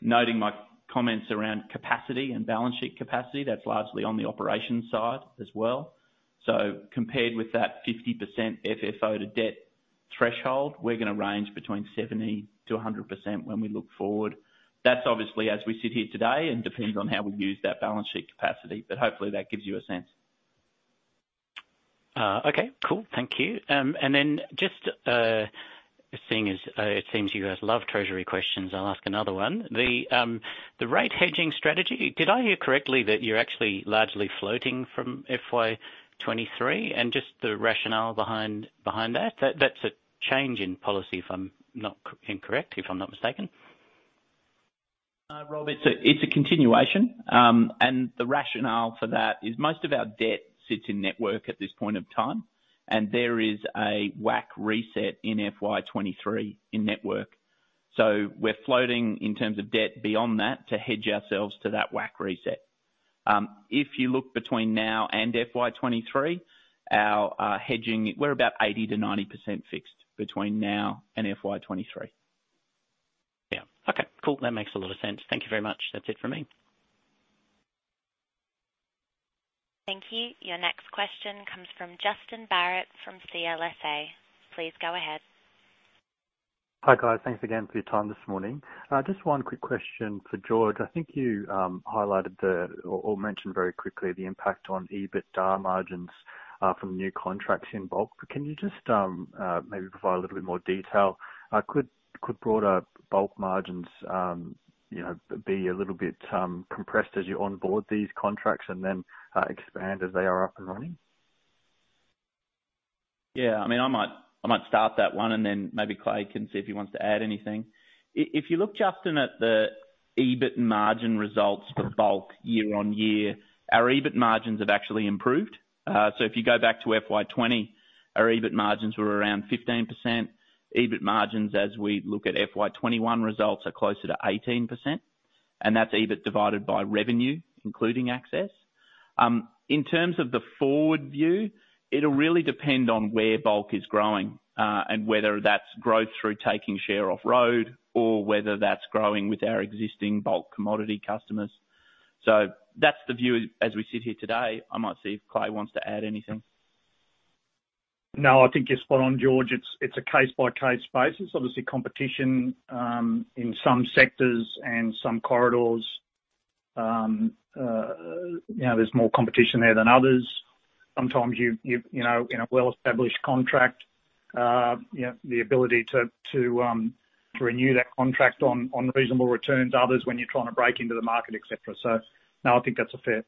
Noting my comments around capacity and balance sheet capacity, that is largely on the Operations side as well. Compared with that 50% FFO to debt threshold, we are going to range between 70%-100% when we look forward. That is obviously as we sit here today and depends on how we use that balance sheet capacity, but hopefully that gives you a sense. Okay, cool. Thank you. Just, seeing as it seems you guys love treasury questions, I'll ask another one. The rate hedging strategy, did I hear correctly that you're actually largely floating from FY 2023? Just the rationale behind that. That's a change in policy if I'm not mistaken. Rob, it's a continuation. The rationale for that is most of our debt sits in network at this point of time. There is a WACC reset in FY 2023 in network. We're floating in terms of debt beyond that to hedge ourselves to that WACC reset. If you look between now and FY 2023, our hedging, we're about 80%-90% fixed between now and FY 2023. Yeah. Okay, cool. That makes a lot of sense. Thank you very much. That's it from me. Thank you. Your next question comes from Justin Barratt from CLSA. Please go ahead. Hi, guys. Thanks again for your time this morning. Just one quick question for George. I think you highlighted, or mentioned very quickly, the impact on EBITDA margins from the new contracts in Bulk. Can you just maybe provide a little bit more detail? Could broader Bulk margins be a little bit compressed as you onboard these contracts and then expand as they are up and running? I might start that one and then maybe Clay can see if he wants to add anything. If you look, Justin, at the EBIT margin results for Bulk year-over-year, our EBIT margins have actually improved. If you go back to FY 2020, our EBIT margins were around 15%. EBIT margins as we look at FY 2021 results are closer to 18%, and that's EBIT divided by revenue, including access. In terms of the forward view, it'll really depend on where Bulk is growing, and whether that's growth through taking share off road or whether that's growing with our existing Bulk commodity customers. That's the view as we sit here today. I might see if Clay wants to add anything. I think you're spot on, George. It's a case-by-case basis. Competition in some sectors and some corridors, there's more competition there than others. Sometimes in a well-established contract, the ability to renew that contract on reasonable returns, others when you're trying to break into the market, et cetera. I think that's a fair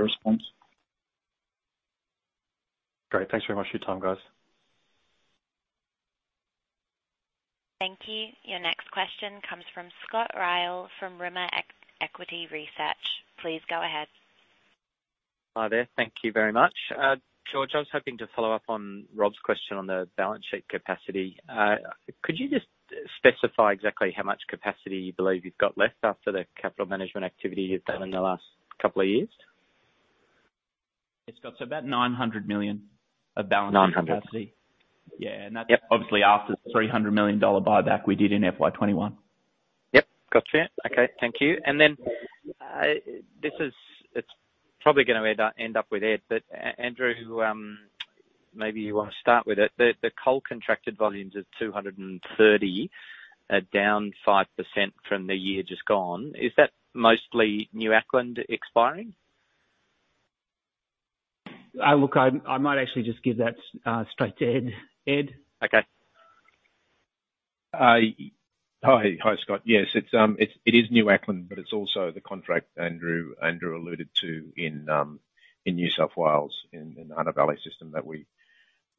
response. Great. Thanks very much for your time, guys. Thank you. Your next question comes from Scott Ryall from Rimor Equity Research. Please go ahead. Hi there. Thank you very much. George, I was hoping to follow up on Rob's question on the balance sheet capacity. Could you just specify exactly how much capacity you believe you've got left after the capital management activity you've done in the last couple of years? Yeah, Scott. About AUD 900 million of balance sheet capacity. AUD 900 million. Yeah. That's obviously after the 300 million dollar buyback we did in FY 2021. Yep, gotcha. Okay. Thank you. This is probably going to end up with Ed, but Andrew, maybe you want to start with it. The Coal contracted volumes of 230 million tons are down 5% from the year just gone. Is that mostly New Acland expiring? Look, I might actually just give that straight to Ed. Ed? Okay. Hi, Scott. Yes, it is New Acland, but it's also the contract Andrew alluded to in New South Wales in the Hunter Valley system that we're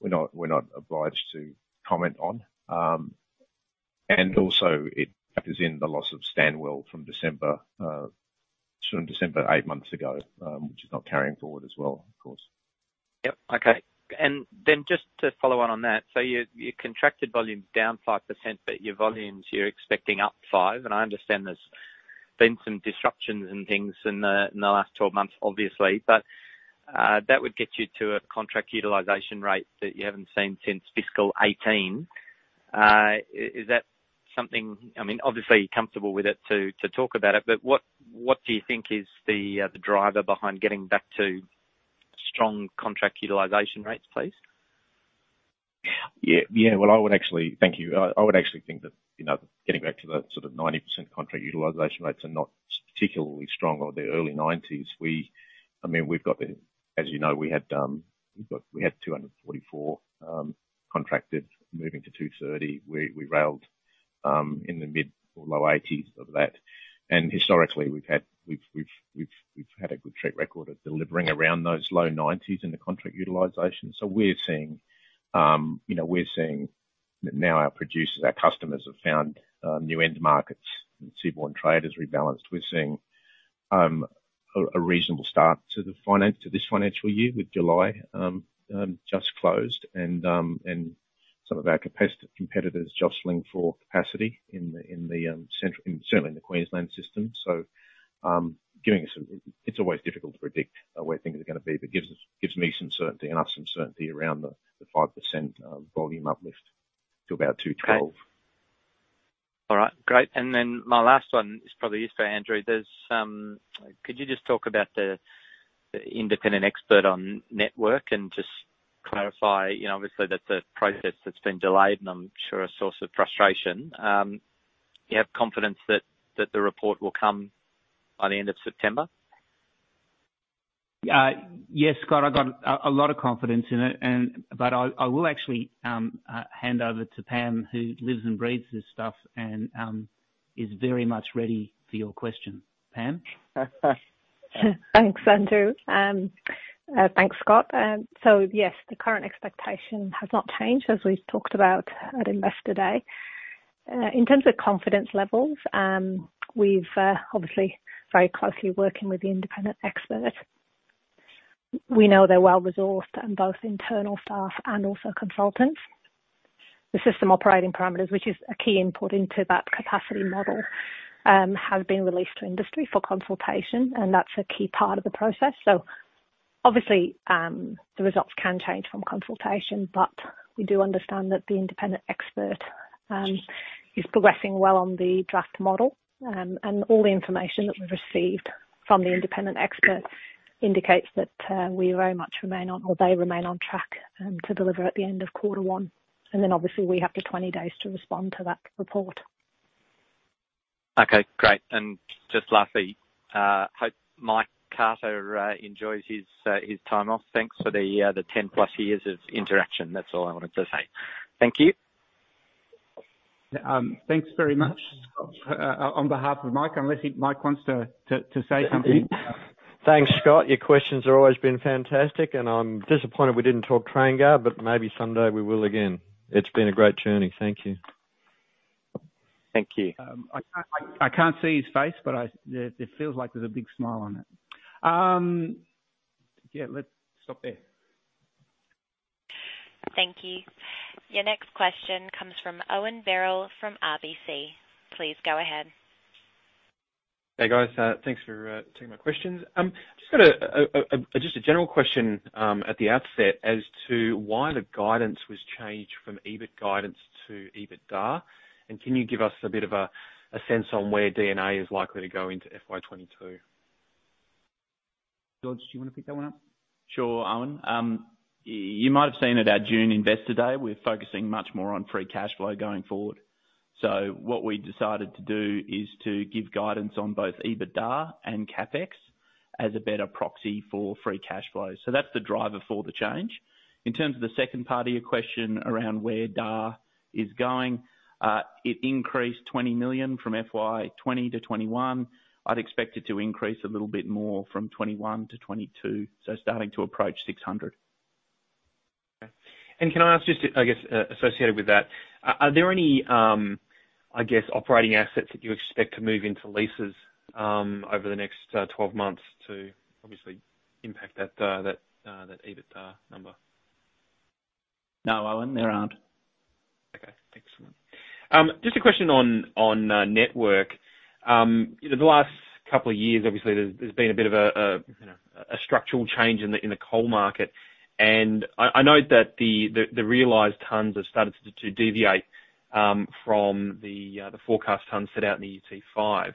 not obliged to comment on. It factors in the loss of Stanwell from December, eight months ago, which is not carrying forward as well, of course. Yep. Okay. Then just to follow on on that, your contracted volume's down 5%, your volumes, you're expecting up 5%, I understand there's been some disruptions and things in the last 12 months, obviously. That would get you to a contract utilization rate that you haven't seen since FY 2018. Is that something, obviously you're comfortable with it to talk about it, but what do you think is the driver behind getting back to strong contract utilization rates, please? Yeah. Thank you. I would actually think that getting back to that sort of 90% contract utilization rates are not particularly strong or the early 90s%. As you know, we had 244 million tons contracted, moving to 230 million tons. We railed in the mid or low 80s% of that. Historically, we've had a good track record of delivering around those low 90s% in the contract utilization. We're seeing now our producers, our customers, have found new end markets and seaborne trade has rebalanced. We're seeing a reasonable start to this financial year with July just closed and some of our competitors jostling for capacity certainly in the Queensland system. It's always difficult to predict where things are going to be, but gives me some certainty and us some certainty around the 5% volume uplift to about 212 million tons. Okay. All right, great. My last one is probably for Andrew. Could you just talk about the independent expert on network and just clarify, obviously that's a process that's been delayed and I'm sure a source of frustration. You have confidence that the report will come by the end of September? Yes, Scott, I've got a lot of confidence in it. I will actually hand over to Pam, who lives and breathes this stuff and is very much ready for your question. Pam? Thanks, Andrew. Thanks, Scott. Yes, the current expectation has not changed as we've talked about Investor Day. in terms of confidence levels, we're obviously very closely working with the independent expert. We know they're well-resourced and both internal staff and also consultants. The system operating parameters, which is a key input into that capacity model, have been released to industry for consultation, and that's a key part of the process. Obviously, the results can change from consultation, but we do understand that the independent expert is progressing well on the draft model. All the information that we've received from the independent expert indicates that we very much remain on, or they remain on track, to deliver at the end of quarter one. Obviously we have the 20 days to respond to that report. Okay, great. Just lastly, hope Mike Carter enjoys his time off. Thanks for the 10+ years of interaction. That's all I wanted to say. Thank you. Thanks very much, Scott, on behalf of Mike, unless Mike wants to say something. Thanks, Scott. Your questions have always been fantastic and I'm disappointed we didn't talk TrainGuard. Maybe someday we will again. It's been a great journey. Thank you. Thank you. I can't see his face, but it feels like there's a big smile on it. Yeah, let's stop there. Thank you. Your next question comes from Owen Birrell from RBC. Please go ahead. Hey, guys. Thanks for taking my questions. I just got a general question at the outset as to why the guidance was changed from EBIT guidance to EBITDA. Can you give us a bit of a sense on where D&A is likely to go into FY 2022? George, do you want to pick that one up? Sure, Owen. You might have seen at our Investor Day, we're focusing much more on free cash flow going forward. What we decided to do is to give guidance on both EBITDA and CapEx as a better proxy for free cash flow. In terms of the second part of your question around where D&A is going, it increased 20 million from FY 2020 to FY 2021. I'd expect it to increase a little bit more from FY 2021 to FY 2022, starting to approach 600 million. Okay. Can I ask just, I guess, associated with that, are there any operating assets that you expect to move into leases over the next 12 months to obviously impact that EBITDA number? No, Owen, there aren't. Okay, excellent. Just a question on Network. The last couple of years, obviously, there's been a bit of a structural change in the Coal market, and I note that the realized tons have started to deviate from the forecast tons set out in the UT5.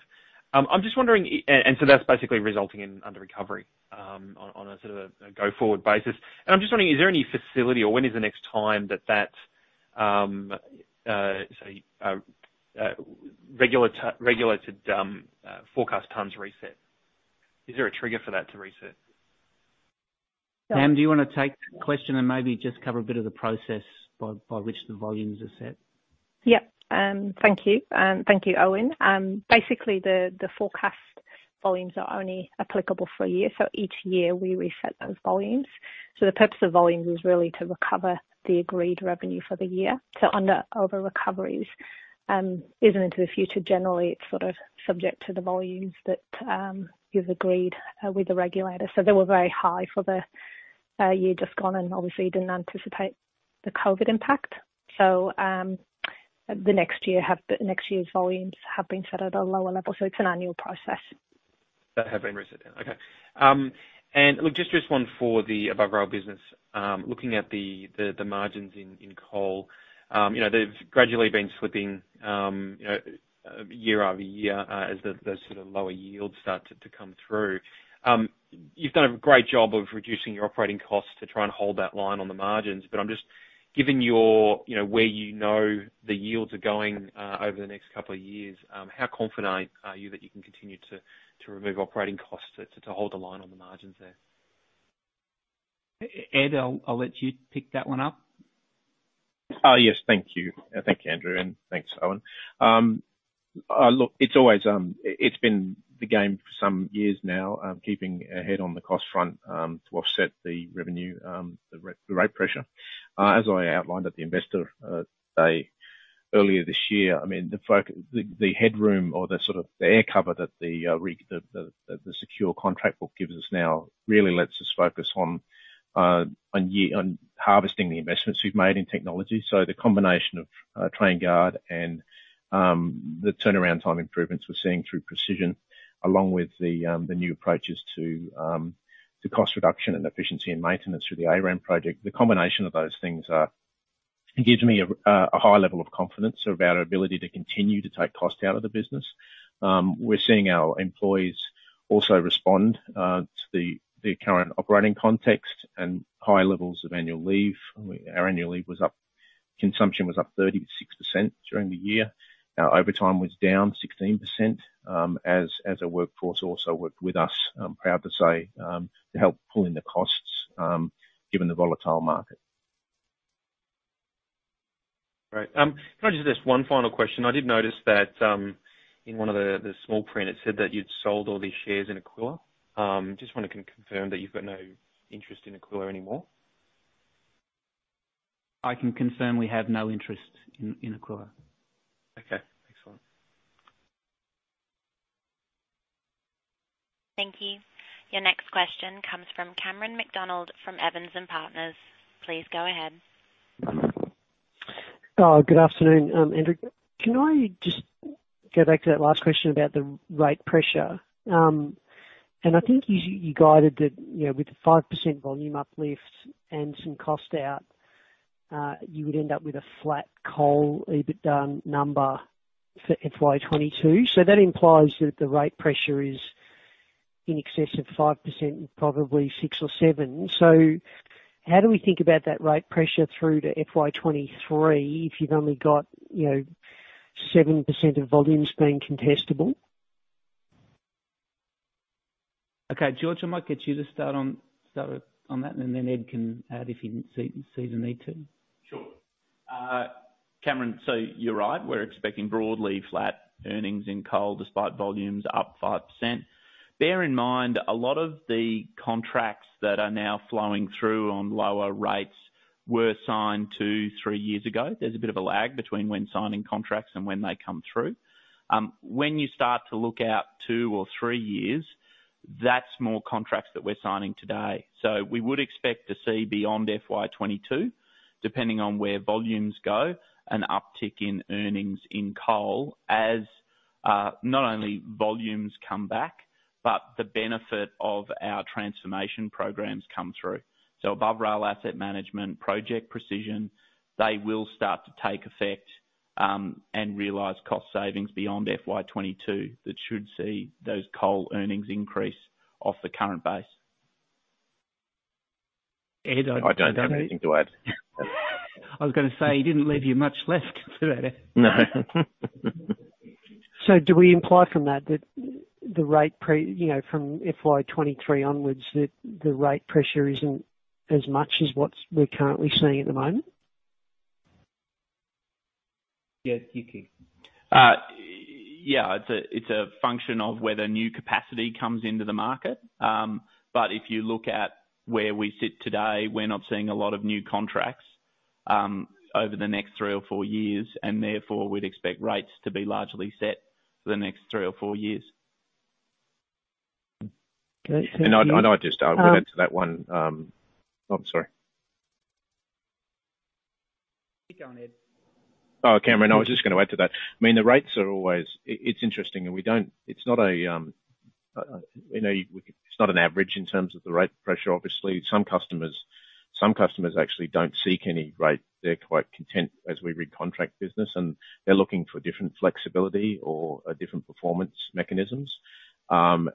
That's basically resulting in under recovery on a go forward basis. I'm just wondering, is there any facility or when is the next time that regulated forecast tons reset? Is there a trigger for that to reset? Pam, do you want to take the question and maybe just cover a bit of the process by which the volumes are set? Yeah. Thank you. Thank you, Owen. Basically, the forecast volumes are only applicable for a year. Each year we reset those volumes. The purpose of volumes is really to recover the agreed revenue for the year. Over recoveries, into the future, generally, it's sort of subject to the volumes that you've agreed with the regulator. They were very high for the year just gone and obviously didn't anticipate the COVID impact. The next year's volumes have been set at a lower level, so it's an annual process. That have been reset then. Okay. Look, just one for the Above Rail business. Looking at the margins in Coal, they've gradually been slipping year-over-year as the sort of lower yields start to come through. You've done a great job of reducing your operating costs to try and hold that line on the margins, but given where you know the yields are going over the next 2 years, how confident are you that you can continue to remove operating costs to hold the line on the margins there? Ed, I'll let you pick that one up. Yes. Thank you. Thank you, Andrew, and thanks, Owen. Look, it's been the game for some years now, keeping ahead on the cost front to offset the revenue, the rate pressure. As I outlined at Investor Day earlier this year, the headroom or the air cover that the secure contract book gives us now really lets us focus on harvesting the investments we've made in technology. The combination of TrainGuard and the turnaround time improvements we're seeing through Precision, along with the new approaches to cost reduction and efficiency and maintenance through the ARAM project, the combination of those things gives me a high level of confidence about our ability to continue to take cost out of the business. We're seeing our employees also respond to the current operating context and high levels of annual leave. Our annual leave consumption was up 36% during the year. Our overtime was down 16%, as our workforce also worked with us, I'm proud to say, to help pull in the costs given the volatile market. Great. Can I just ask one final question? I did notice that in one of the small print, it said that you'd sold all the shares in Aquila. Just want to confirm that you've got no interest in Aquila anymore. I can confirm we have no interest in Aquila. Okay. Excellent. Thank you. Your next question comes from Cameron McDonald from Evans and Partners. Please go ahead. Good afternoon. Andrew, can I just go back to that last question about the rate pressure? I think you guided that with the 5% volume uplift and some cost out, you would end up with a flat Coal EBITDA number for FY 2022. That implies that the rate pressure is in excess of 5% and probably six or seven. How do we think about that rate pressure through to FY 2023 if you've only got 7% of volumes being contestable? Okay, George, I might get you to start on that, and then Ed can add if he sees a need to. Sure. Cameron, you're right. We're expecting broadly flat earnings in Coal despite volumes up 5%. Bear in mind, a lot of the contracts that are now flowing through on lower rates were signed two, three years ago. There's a bit of a lag between when signing contracts and when they come through. When you start to look out two or three years, that's more contracts that we're signing today. We would expect to see beyond FY 2022, depending on where volumes go, an uptick in earnings in Coal as not only volumes come back, but the benefit of our transformation programs come through. Above Rail Asset Management, Project Precision, they will start to take effect and realize cost savings beyond FY 2022 that should see those Coal earnings increase off the current base. Ed- I don't have anything to add. I was going to say, he didn't leave you much left to add. No. Do we imply from that that from FY 2023 onwards, that the rate pressure isn't as much as what we're currently seeing at the moment? Yes, you can. Yeah, it's a function of whether new capacity comes into the market. If you look at where we sit today, we're not seeing a lot of new contracts over the next three or four years, and therefore, we'd expect rates to be largely set for the next three or four years. Great. Thank you. I'd just add to that one Oh, sorry. Keep going, Ed. Cameron, I was just going to add to that. The rates are always interesting, it's not an average in terms of the rate pressure, obviously. Some customers actually don't seek any rate. They're quite content as we recontract business, they're looking for different flexibility or different performance mechanisms. Others,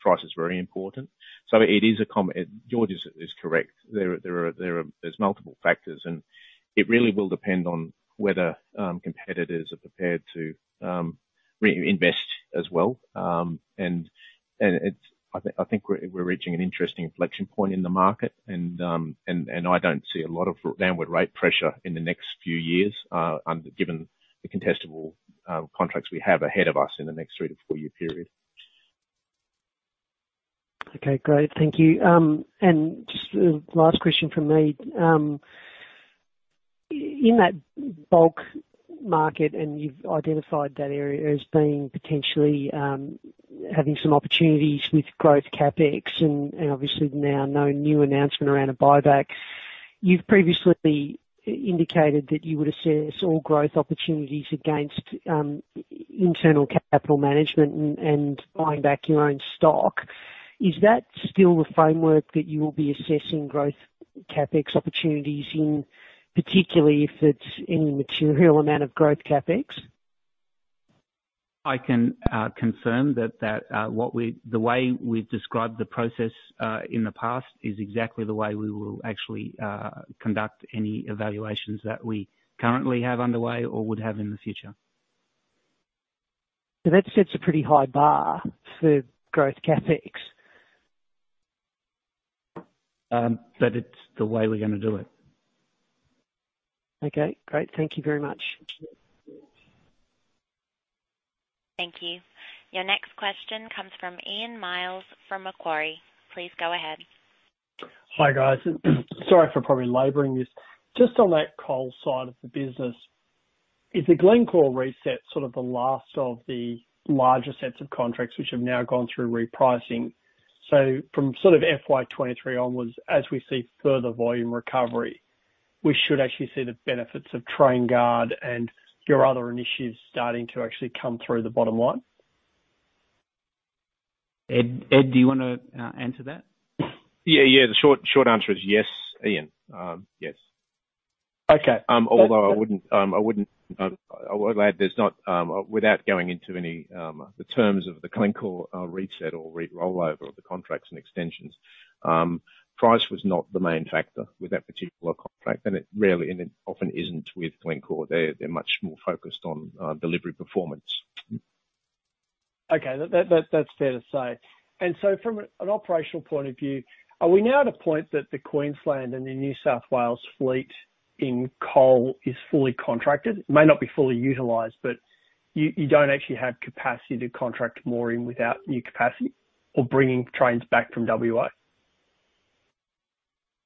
price is very important. George is correct. There's multiple factors, it really will depend on whether competitors are prepared to invest as well. I think we're reaching an interesting inflection point in the market, I don't see a lot of downward rate pressure in the next few years, given the contestable contracts we have ahead of us in the next three to four-year period. Okay, great. Thank you. Just a last question from me. In that Bulk market, and you've identified that area as being potentially having some opportunities with growth CapEx and obviously now no new announcement around a buyback. You've previously indicated that you would assess all growth opportunities against internal capital management and buying back your own stock. Is that still the framework that you will be assessing growth CapEx opportunities in, particularly if it's any material amount of growth CapEx? I can confirm that the way we've described the process in the past is exactly the way we will actually conduct any evaluations that we currently have underway or would have in the future. That sets a pretty high bar for growth CapEx. It's the way we're going to do it. Okay, great. Thank you very much. Thank you. Your next question comes from Ian Myles from Macquarie. Please go ahead. Hi, guys. Sorry for probably laboring this. Just on that Coal side of the business, is the Glencore reset sort of the last of the larger sets of contracts which have now gone through repricing? From FY 2023 onwards, as we see further volume recovery, we should actually see the benefits of TrainGuard and your other initiatives starting to actually come through the bottom line. Ed, do you want to answer that? Yeah, the short answer is yes, Ian. Yes. Okay. I would add, without going into the terms of the Glencore reset or rollover of the contracts and extensions, price was not the main factor with that particular contract. It often isn't with Glencore. They're much more focused on delivery performance. Okay. That's fair to say. From an operational point of view, are we now at a point that the Queensland and the New South Wales fleet in Coal is fully contracted? It may not be fully utilized, but you don't actually have capacity to contract more in without new capacity or bringing trains back from WA.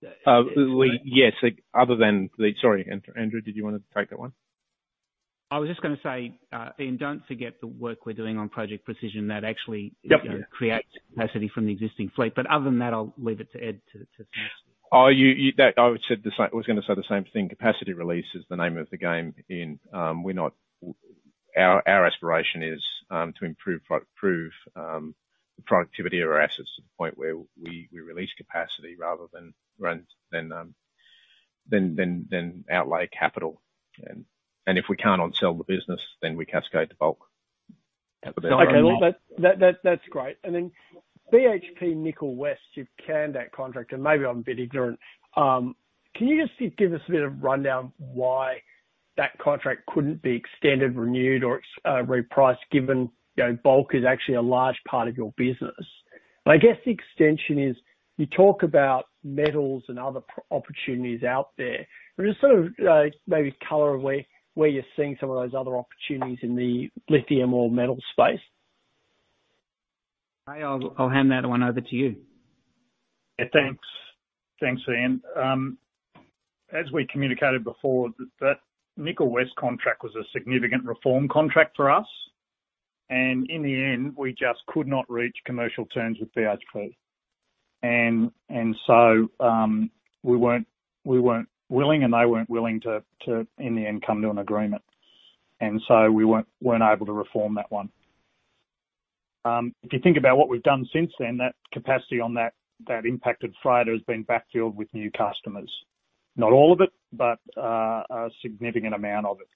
Yes. Sorry, Andrew, did you want to take that one? I was just going to say, Ian, don't forget the work we're doing on Project Precision that actually- Yep ...creates capacity from the existing fleet. Other than that, I'll leave it to Ed to. I was going to say the same thing. Capacity release is the name of the game, Ian. Our aspiration is to improve the productivity of our assets to the point where we release capacity rather than outlay capital. If we can't onsell the business, then we cascade to Bulk. Okay. Well, that's great. Then BHP Nickel West, you've canned that contract, and maybe I'm a bit ignorant. Can you just give us a bit of rundown why that contract couldn't be extended, renewed, or repriced, given Bulk is actually a large part of your business? I guess the extension is, you talk about metals and other opportunities out there. Just sort of maybe color on where you're seeing some of those other opportunities in the lithium or metal space. Clay, I'll hand that one over to you. Yeah, thanks. Thanks, Ian. As we communicated before, that Nickel West contract was a significant reform contract for us. In the end, we just could not reach commercial terms with BHP. We weren't willing and they weren't willing to, in the end, come to an agreement. We weren't able to reform that one. If you think about what we've done since then, that capacity on that impacted freight has been backfilled with new customers. Not all of it, but a significant amount of it.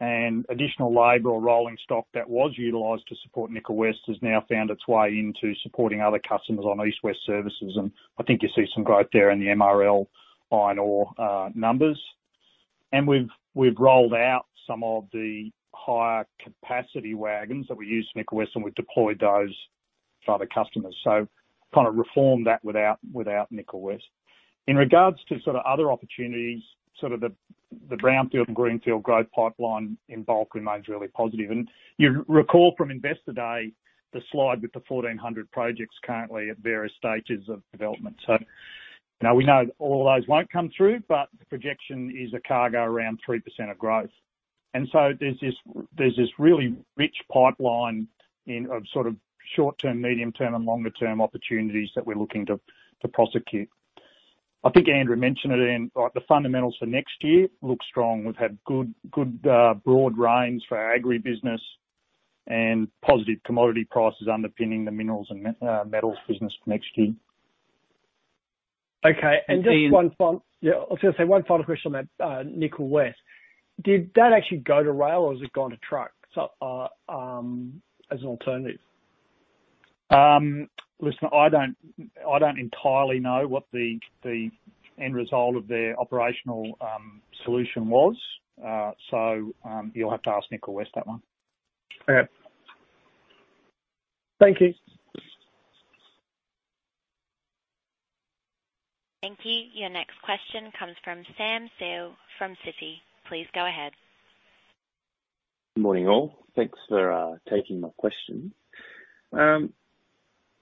Additional labor or rolling stock that was utilized to support Nickel West has now found its way into supporting other customers on east-west services, and I think you see some growth there in the MRL iron ore numbers. We've rolled out some of the higher capacity wagons that we used for Nickel West, and we've deployed those for other customers. Kind of reformed that without Nickel West. In regards to other opportunities, the brownfield and greenfield growth pipeline in Bulk remains really positive. You recall Investor Day, the slide with the 1,400 projects currently at various stages of development. Now we know all those won't come through, but the projection is a CAGR around 3% of growth. There's this really rich pipeline of short-term, medium-term, and longer-term opportunities that we're looking to prosecute. I think Andrew mentioned it, Ian, the fundamentals for next year look strong. We've had good broad rains for our agribusiness and positive commodity prices underpinning the minerals and metals business for next year. Okay. Ian- I was going to say, one final question on that Nickel West. Did that actually go to rail or has it gone to truck as an alternative? Listen, I don't entirely know what the end result of their operational solution was. You'll have to ask Nickel West that one. Okay. Thank you. Thank you. Your next question comes from Sam Seow from Citi. Please go ahead. Good morning, all. Thanks for taking my question.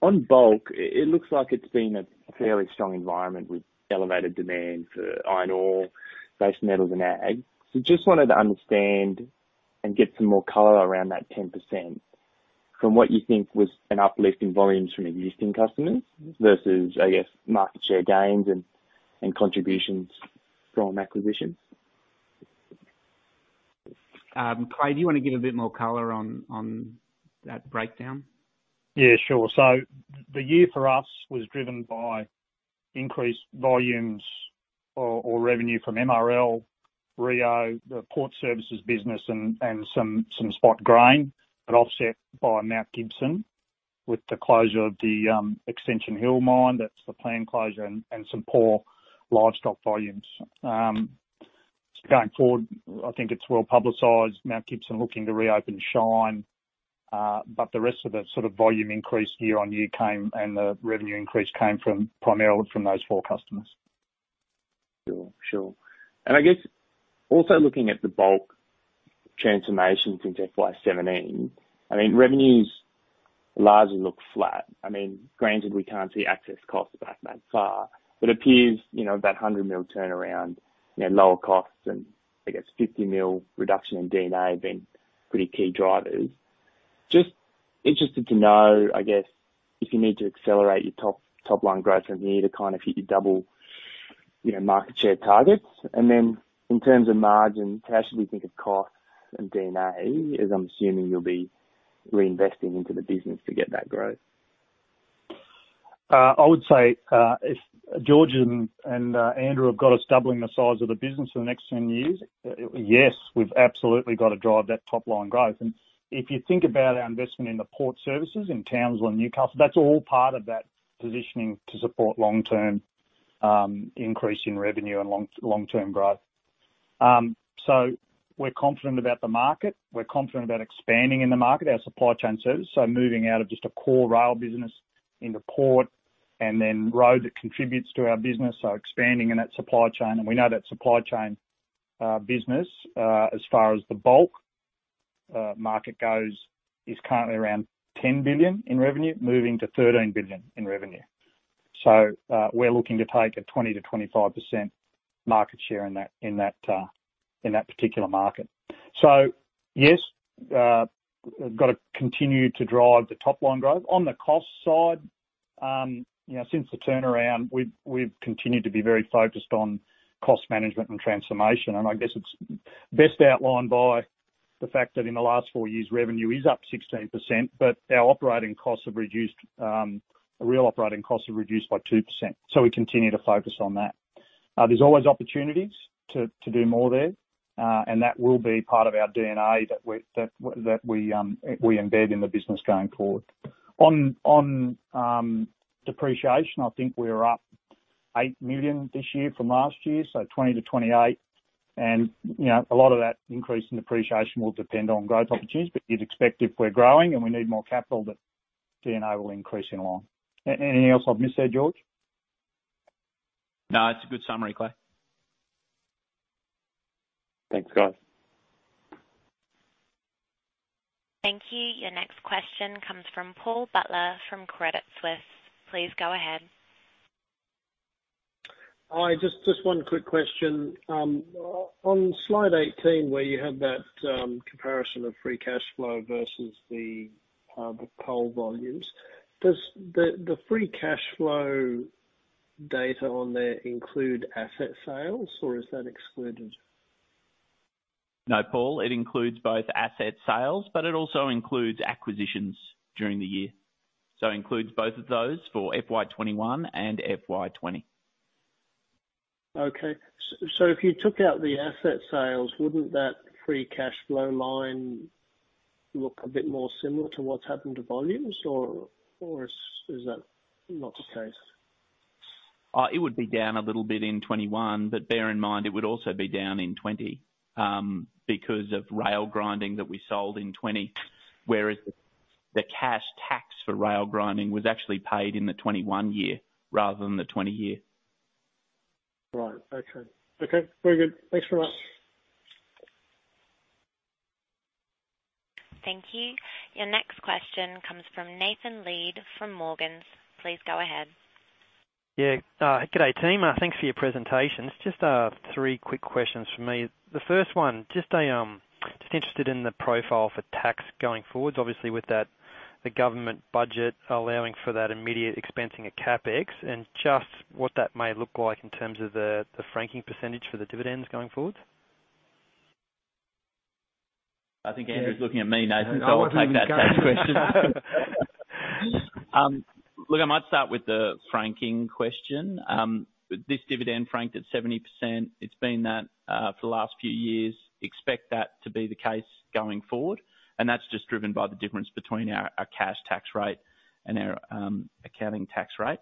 On Bulk, it looks like it's been a fairly strong environment with elevated demand for iron ore, base metals, and ag. Just wanted to understand and get some more color around that 10%. From what you think was an uplift in volumes from existing customers versus, I guess, market share gains and contributions from acquisitions. Clay, do you want to give a bit more color on that breakdown? Yeah, sure. The year for us was driven by increased volumes or revenue from MRL, Rio, the port services business, and some spot grain, but offset by Mount Gibson with the closure of the Extension Hill mine, that's the planned closure, and some poor livestock volumes. Going forward, I think it's well-publicized, Mount Gibson looking to reopen Shine, but the rest of the volume increase year-on-year came, and the revenue increase came primarily from those four customers. Sure. I guess also looking at the Bulk transformations into FY 2017, revenues largely look flat. Granted, we can't see access costs back that far, but appears that 100 million turnaround, lower costs and I guess 50 million reduction in D&A have been pretty key drivers. Just interested to know, I guess, if you need to accelerate your top-line growth from here to hit your double market share targets? Then in terms of margin, how should we think of costs and D&A, as I'm assuming you'll be reinvesting into the business to get that growth? I would say, if George and Andrew have got us doubling the size of the business for the next 10 years, yes, we've absolutely got to drive that top-line growth. If you think about our investment in the port services in Townsville and Newcastle, that's all part of that positioning to support long-term increase in revenue and long-term growth. We're confident about the market. We're confident about expanding in the market, our supply chain service. Moving out of just a core rail business into port and then road that contributes to our business, expanding in that supply chain. We know that supply chain business, as far as the Bulk market goes, is currently around 10 billion in revenue, moving to 13 billion in revenue. We're looking to take a 20%-25% market share in that particular market. Yes, we've got to continue to drive the top-line growth. On the cost side, since the turnaround, we've continued to be very focused on cost management and transformation. I guess it's best outlined by the fact that in the last four years, revenue is up 16%, but our real operating costs have reduced by 2%. We continue to focus on that. There's always opportunities to do more there, and that will be part of our D&A that we embed in the business going forward. On depreciation, I think we are up 8 million this year from last year, so 20 million to 28 million, and a lot of that increase in depreciation will depend on growth opportunities. You'd expect if we're growing and we need more capital, that D&A will increase in line. Anything else I've missed there, George? No, that's a good summary, Clay. Thanks, guys. Thank you. Your next question comes from Paul Butler from Credit Suisse. Please go ahead. Hi. Just one quick question. On slide 18, where you had that comparison of free cash flow versus the Coal volumes, does the free cash flow data on there include asset sales, or is that excluded? No, Paul, it includes both asset sales, but it also includes acquisitions during the year. Includes both of those for FY 2021 and FY 2020. If you took out the asset sales, wouldn't that free cash flow line look a bit more similar to what's happened to volumes or is that not the case? It would be down a little bit in 2021. Bear in mind, it would also be down in 2020, because of Rail Grinding that we sold in 2020. The cash tax for Rail Grinding was actually paid in the 2021 year rather than the 2020 year. Right. Okay. Okay, very good. Thanks very much. Thank you. Your next question comes from Nathan Lead from Morgans. Please go ahead. Good day, team. Thanks for your presentation. It's just three quick questions from me. The first one, just interested in the profile for tax going forwards, obviously with the government budget allowing for that immediate expensing of CapEx and just what that may look like in terms of the franking percentage for the dividends going forward. I think Andrew's looking at me, Nathan, so I'll take that tax question. I might start with the franking question. This dividend franked at 70%. It's been that for the last few years. Expect that to be the case going forward, and that's just driven by the difference between our cash tax rate and our accounting tax rate.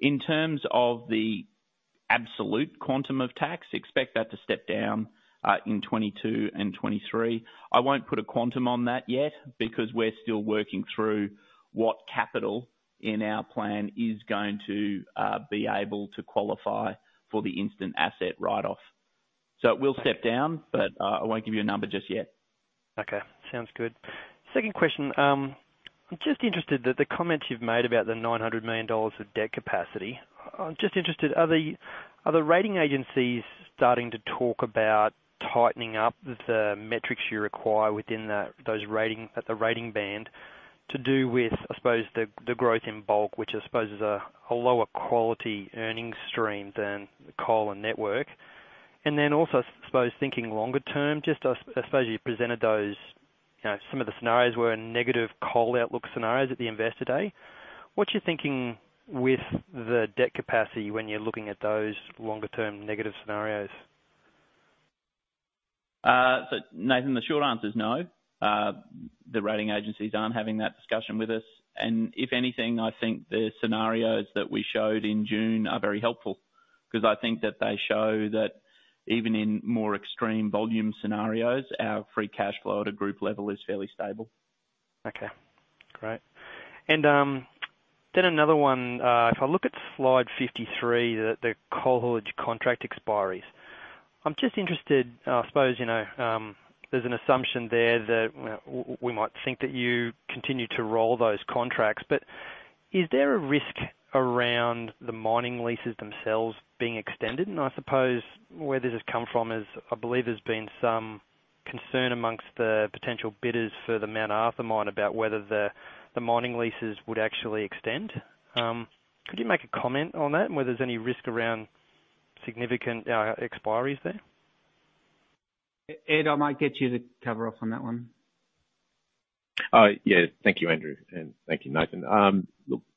In terms of the absolute quantum of tax, expect that to step down in FY 2022 and FY 2023. I won't put a quantum on that yet because we're still working through what capital in our plan is going to be able to qualify for the instant asset write-off. It will step down, but I won't give you a number just yet. Okay. Sounds good. Second question. I'm just interested that the comments you've made about the 900 million dollars of debt capacity. I'm just interested, are the rating agencies starting to talk about tightening up the metrics you require within the rating band to do with, I suppose, the growth in Bulk, which I suppose is a lower quality earning stream than Coal and network? Also, I suppose thinking longer term, I suppose you presented some of the scenarios were negative Coal outlook scenarios at Investor Day. what's your thinking with the debt capacity when you're looking at those longer-term negative scenarios? Nathan, the short answer is no. The rating agencies aren't having that discussion with us. If anything, I think the scenarios that we showed in June are very helpful, because I think that they show that even in more extreme volume scenarios, our free cash flow at a group level is fairly stable. Okay. Great. Another one. If I look at slide 53, the Coal hedge contract expiries. I am just interested, I suppose, there is an assumption there that we might think that you continue to roll those contracts. Is there a risk around the mining leases themselves being extended? I suppose where this has come from is, I believe there has been some concern amongst the potential bidders for the Mount Arthur mine about whether the mining leases would actually extend. Could you make a comment on that and whether there is any risk around significant expiries there? Ed, I might get you to cover off on that one. Thank you, Andrew, and thank you, Nathan.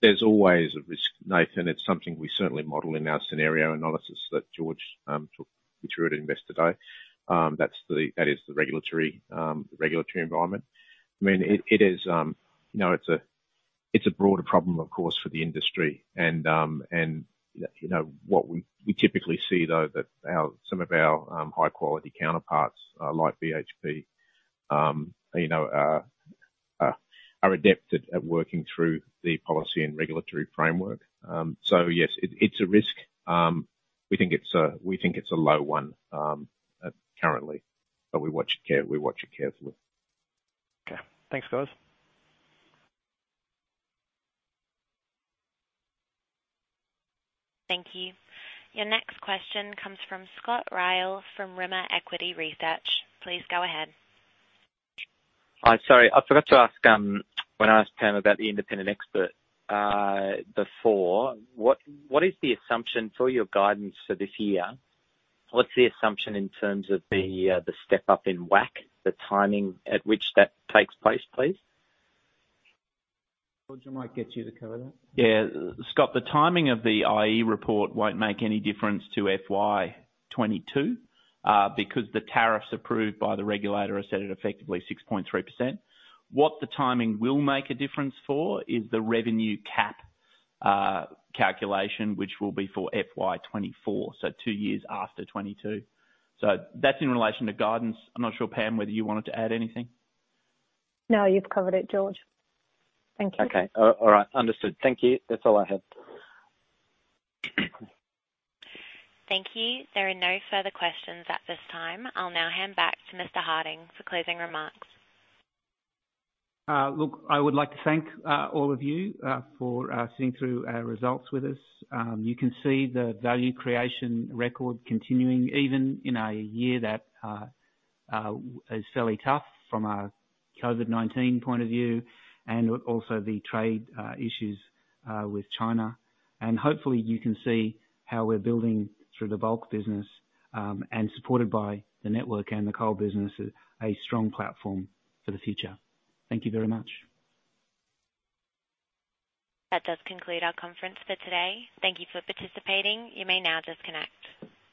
There's always a risk, Nathan. It's something we certainly model in our scenario analysis that George took you through Investor Day. that is the regulatory environment. It's a broader problem, of course, for the industry. What we typically see, though, that some of our high-quality counterparts, like BHP, are adept at working through the policy and regulatory framework. Yes, it's a risk. We think it's a low one currently, but we watch it carefully. Okay. Thanks, guys. Thank you. Your next question comes from Scott Ryall from Rimor Equity Research. Please go ahead. Sorry, I forgot to ask when I asked Pam about the independent expert before. What is the assumption for your guidance for this year? What's the assumption in terms of the step up in WACC, the timing at which that takes place, please? George, I might get you to cover that. Yeah. Scott, the timing of the IE report won't make any difference to FY 2022, because the tariffs approved by the regulator are set at effectively 6.3%. What the timing will make a difference for is the revenue cap calculation, which will be for FY 2024, so two years after 2022. That's in relation to guidance. I'm not sure, Pam, whether you wanted to add anything. No, you've covered it, George. Thank you. Okay. All right. Understood. Thank you. That's all I had. Thank you. There are no further questions at this time. I will now hand back to Mr. Harding for closing remarks. Look, I would like to thank all of you for sitting through our results with us. You can see the value creation record continuing even in a year that is fairly tough from a COVID-19 point of view, also the trade issues with China. Hopefully you can see how we're building through the Bulk business, and supported by the network and the Coal business, a strong platform for the future. Thank you very much. That does conclude our conference for today. Thank you for participating. You may now disconnect.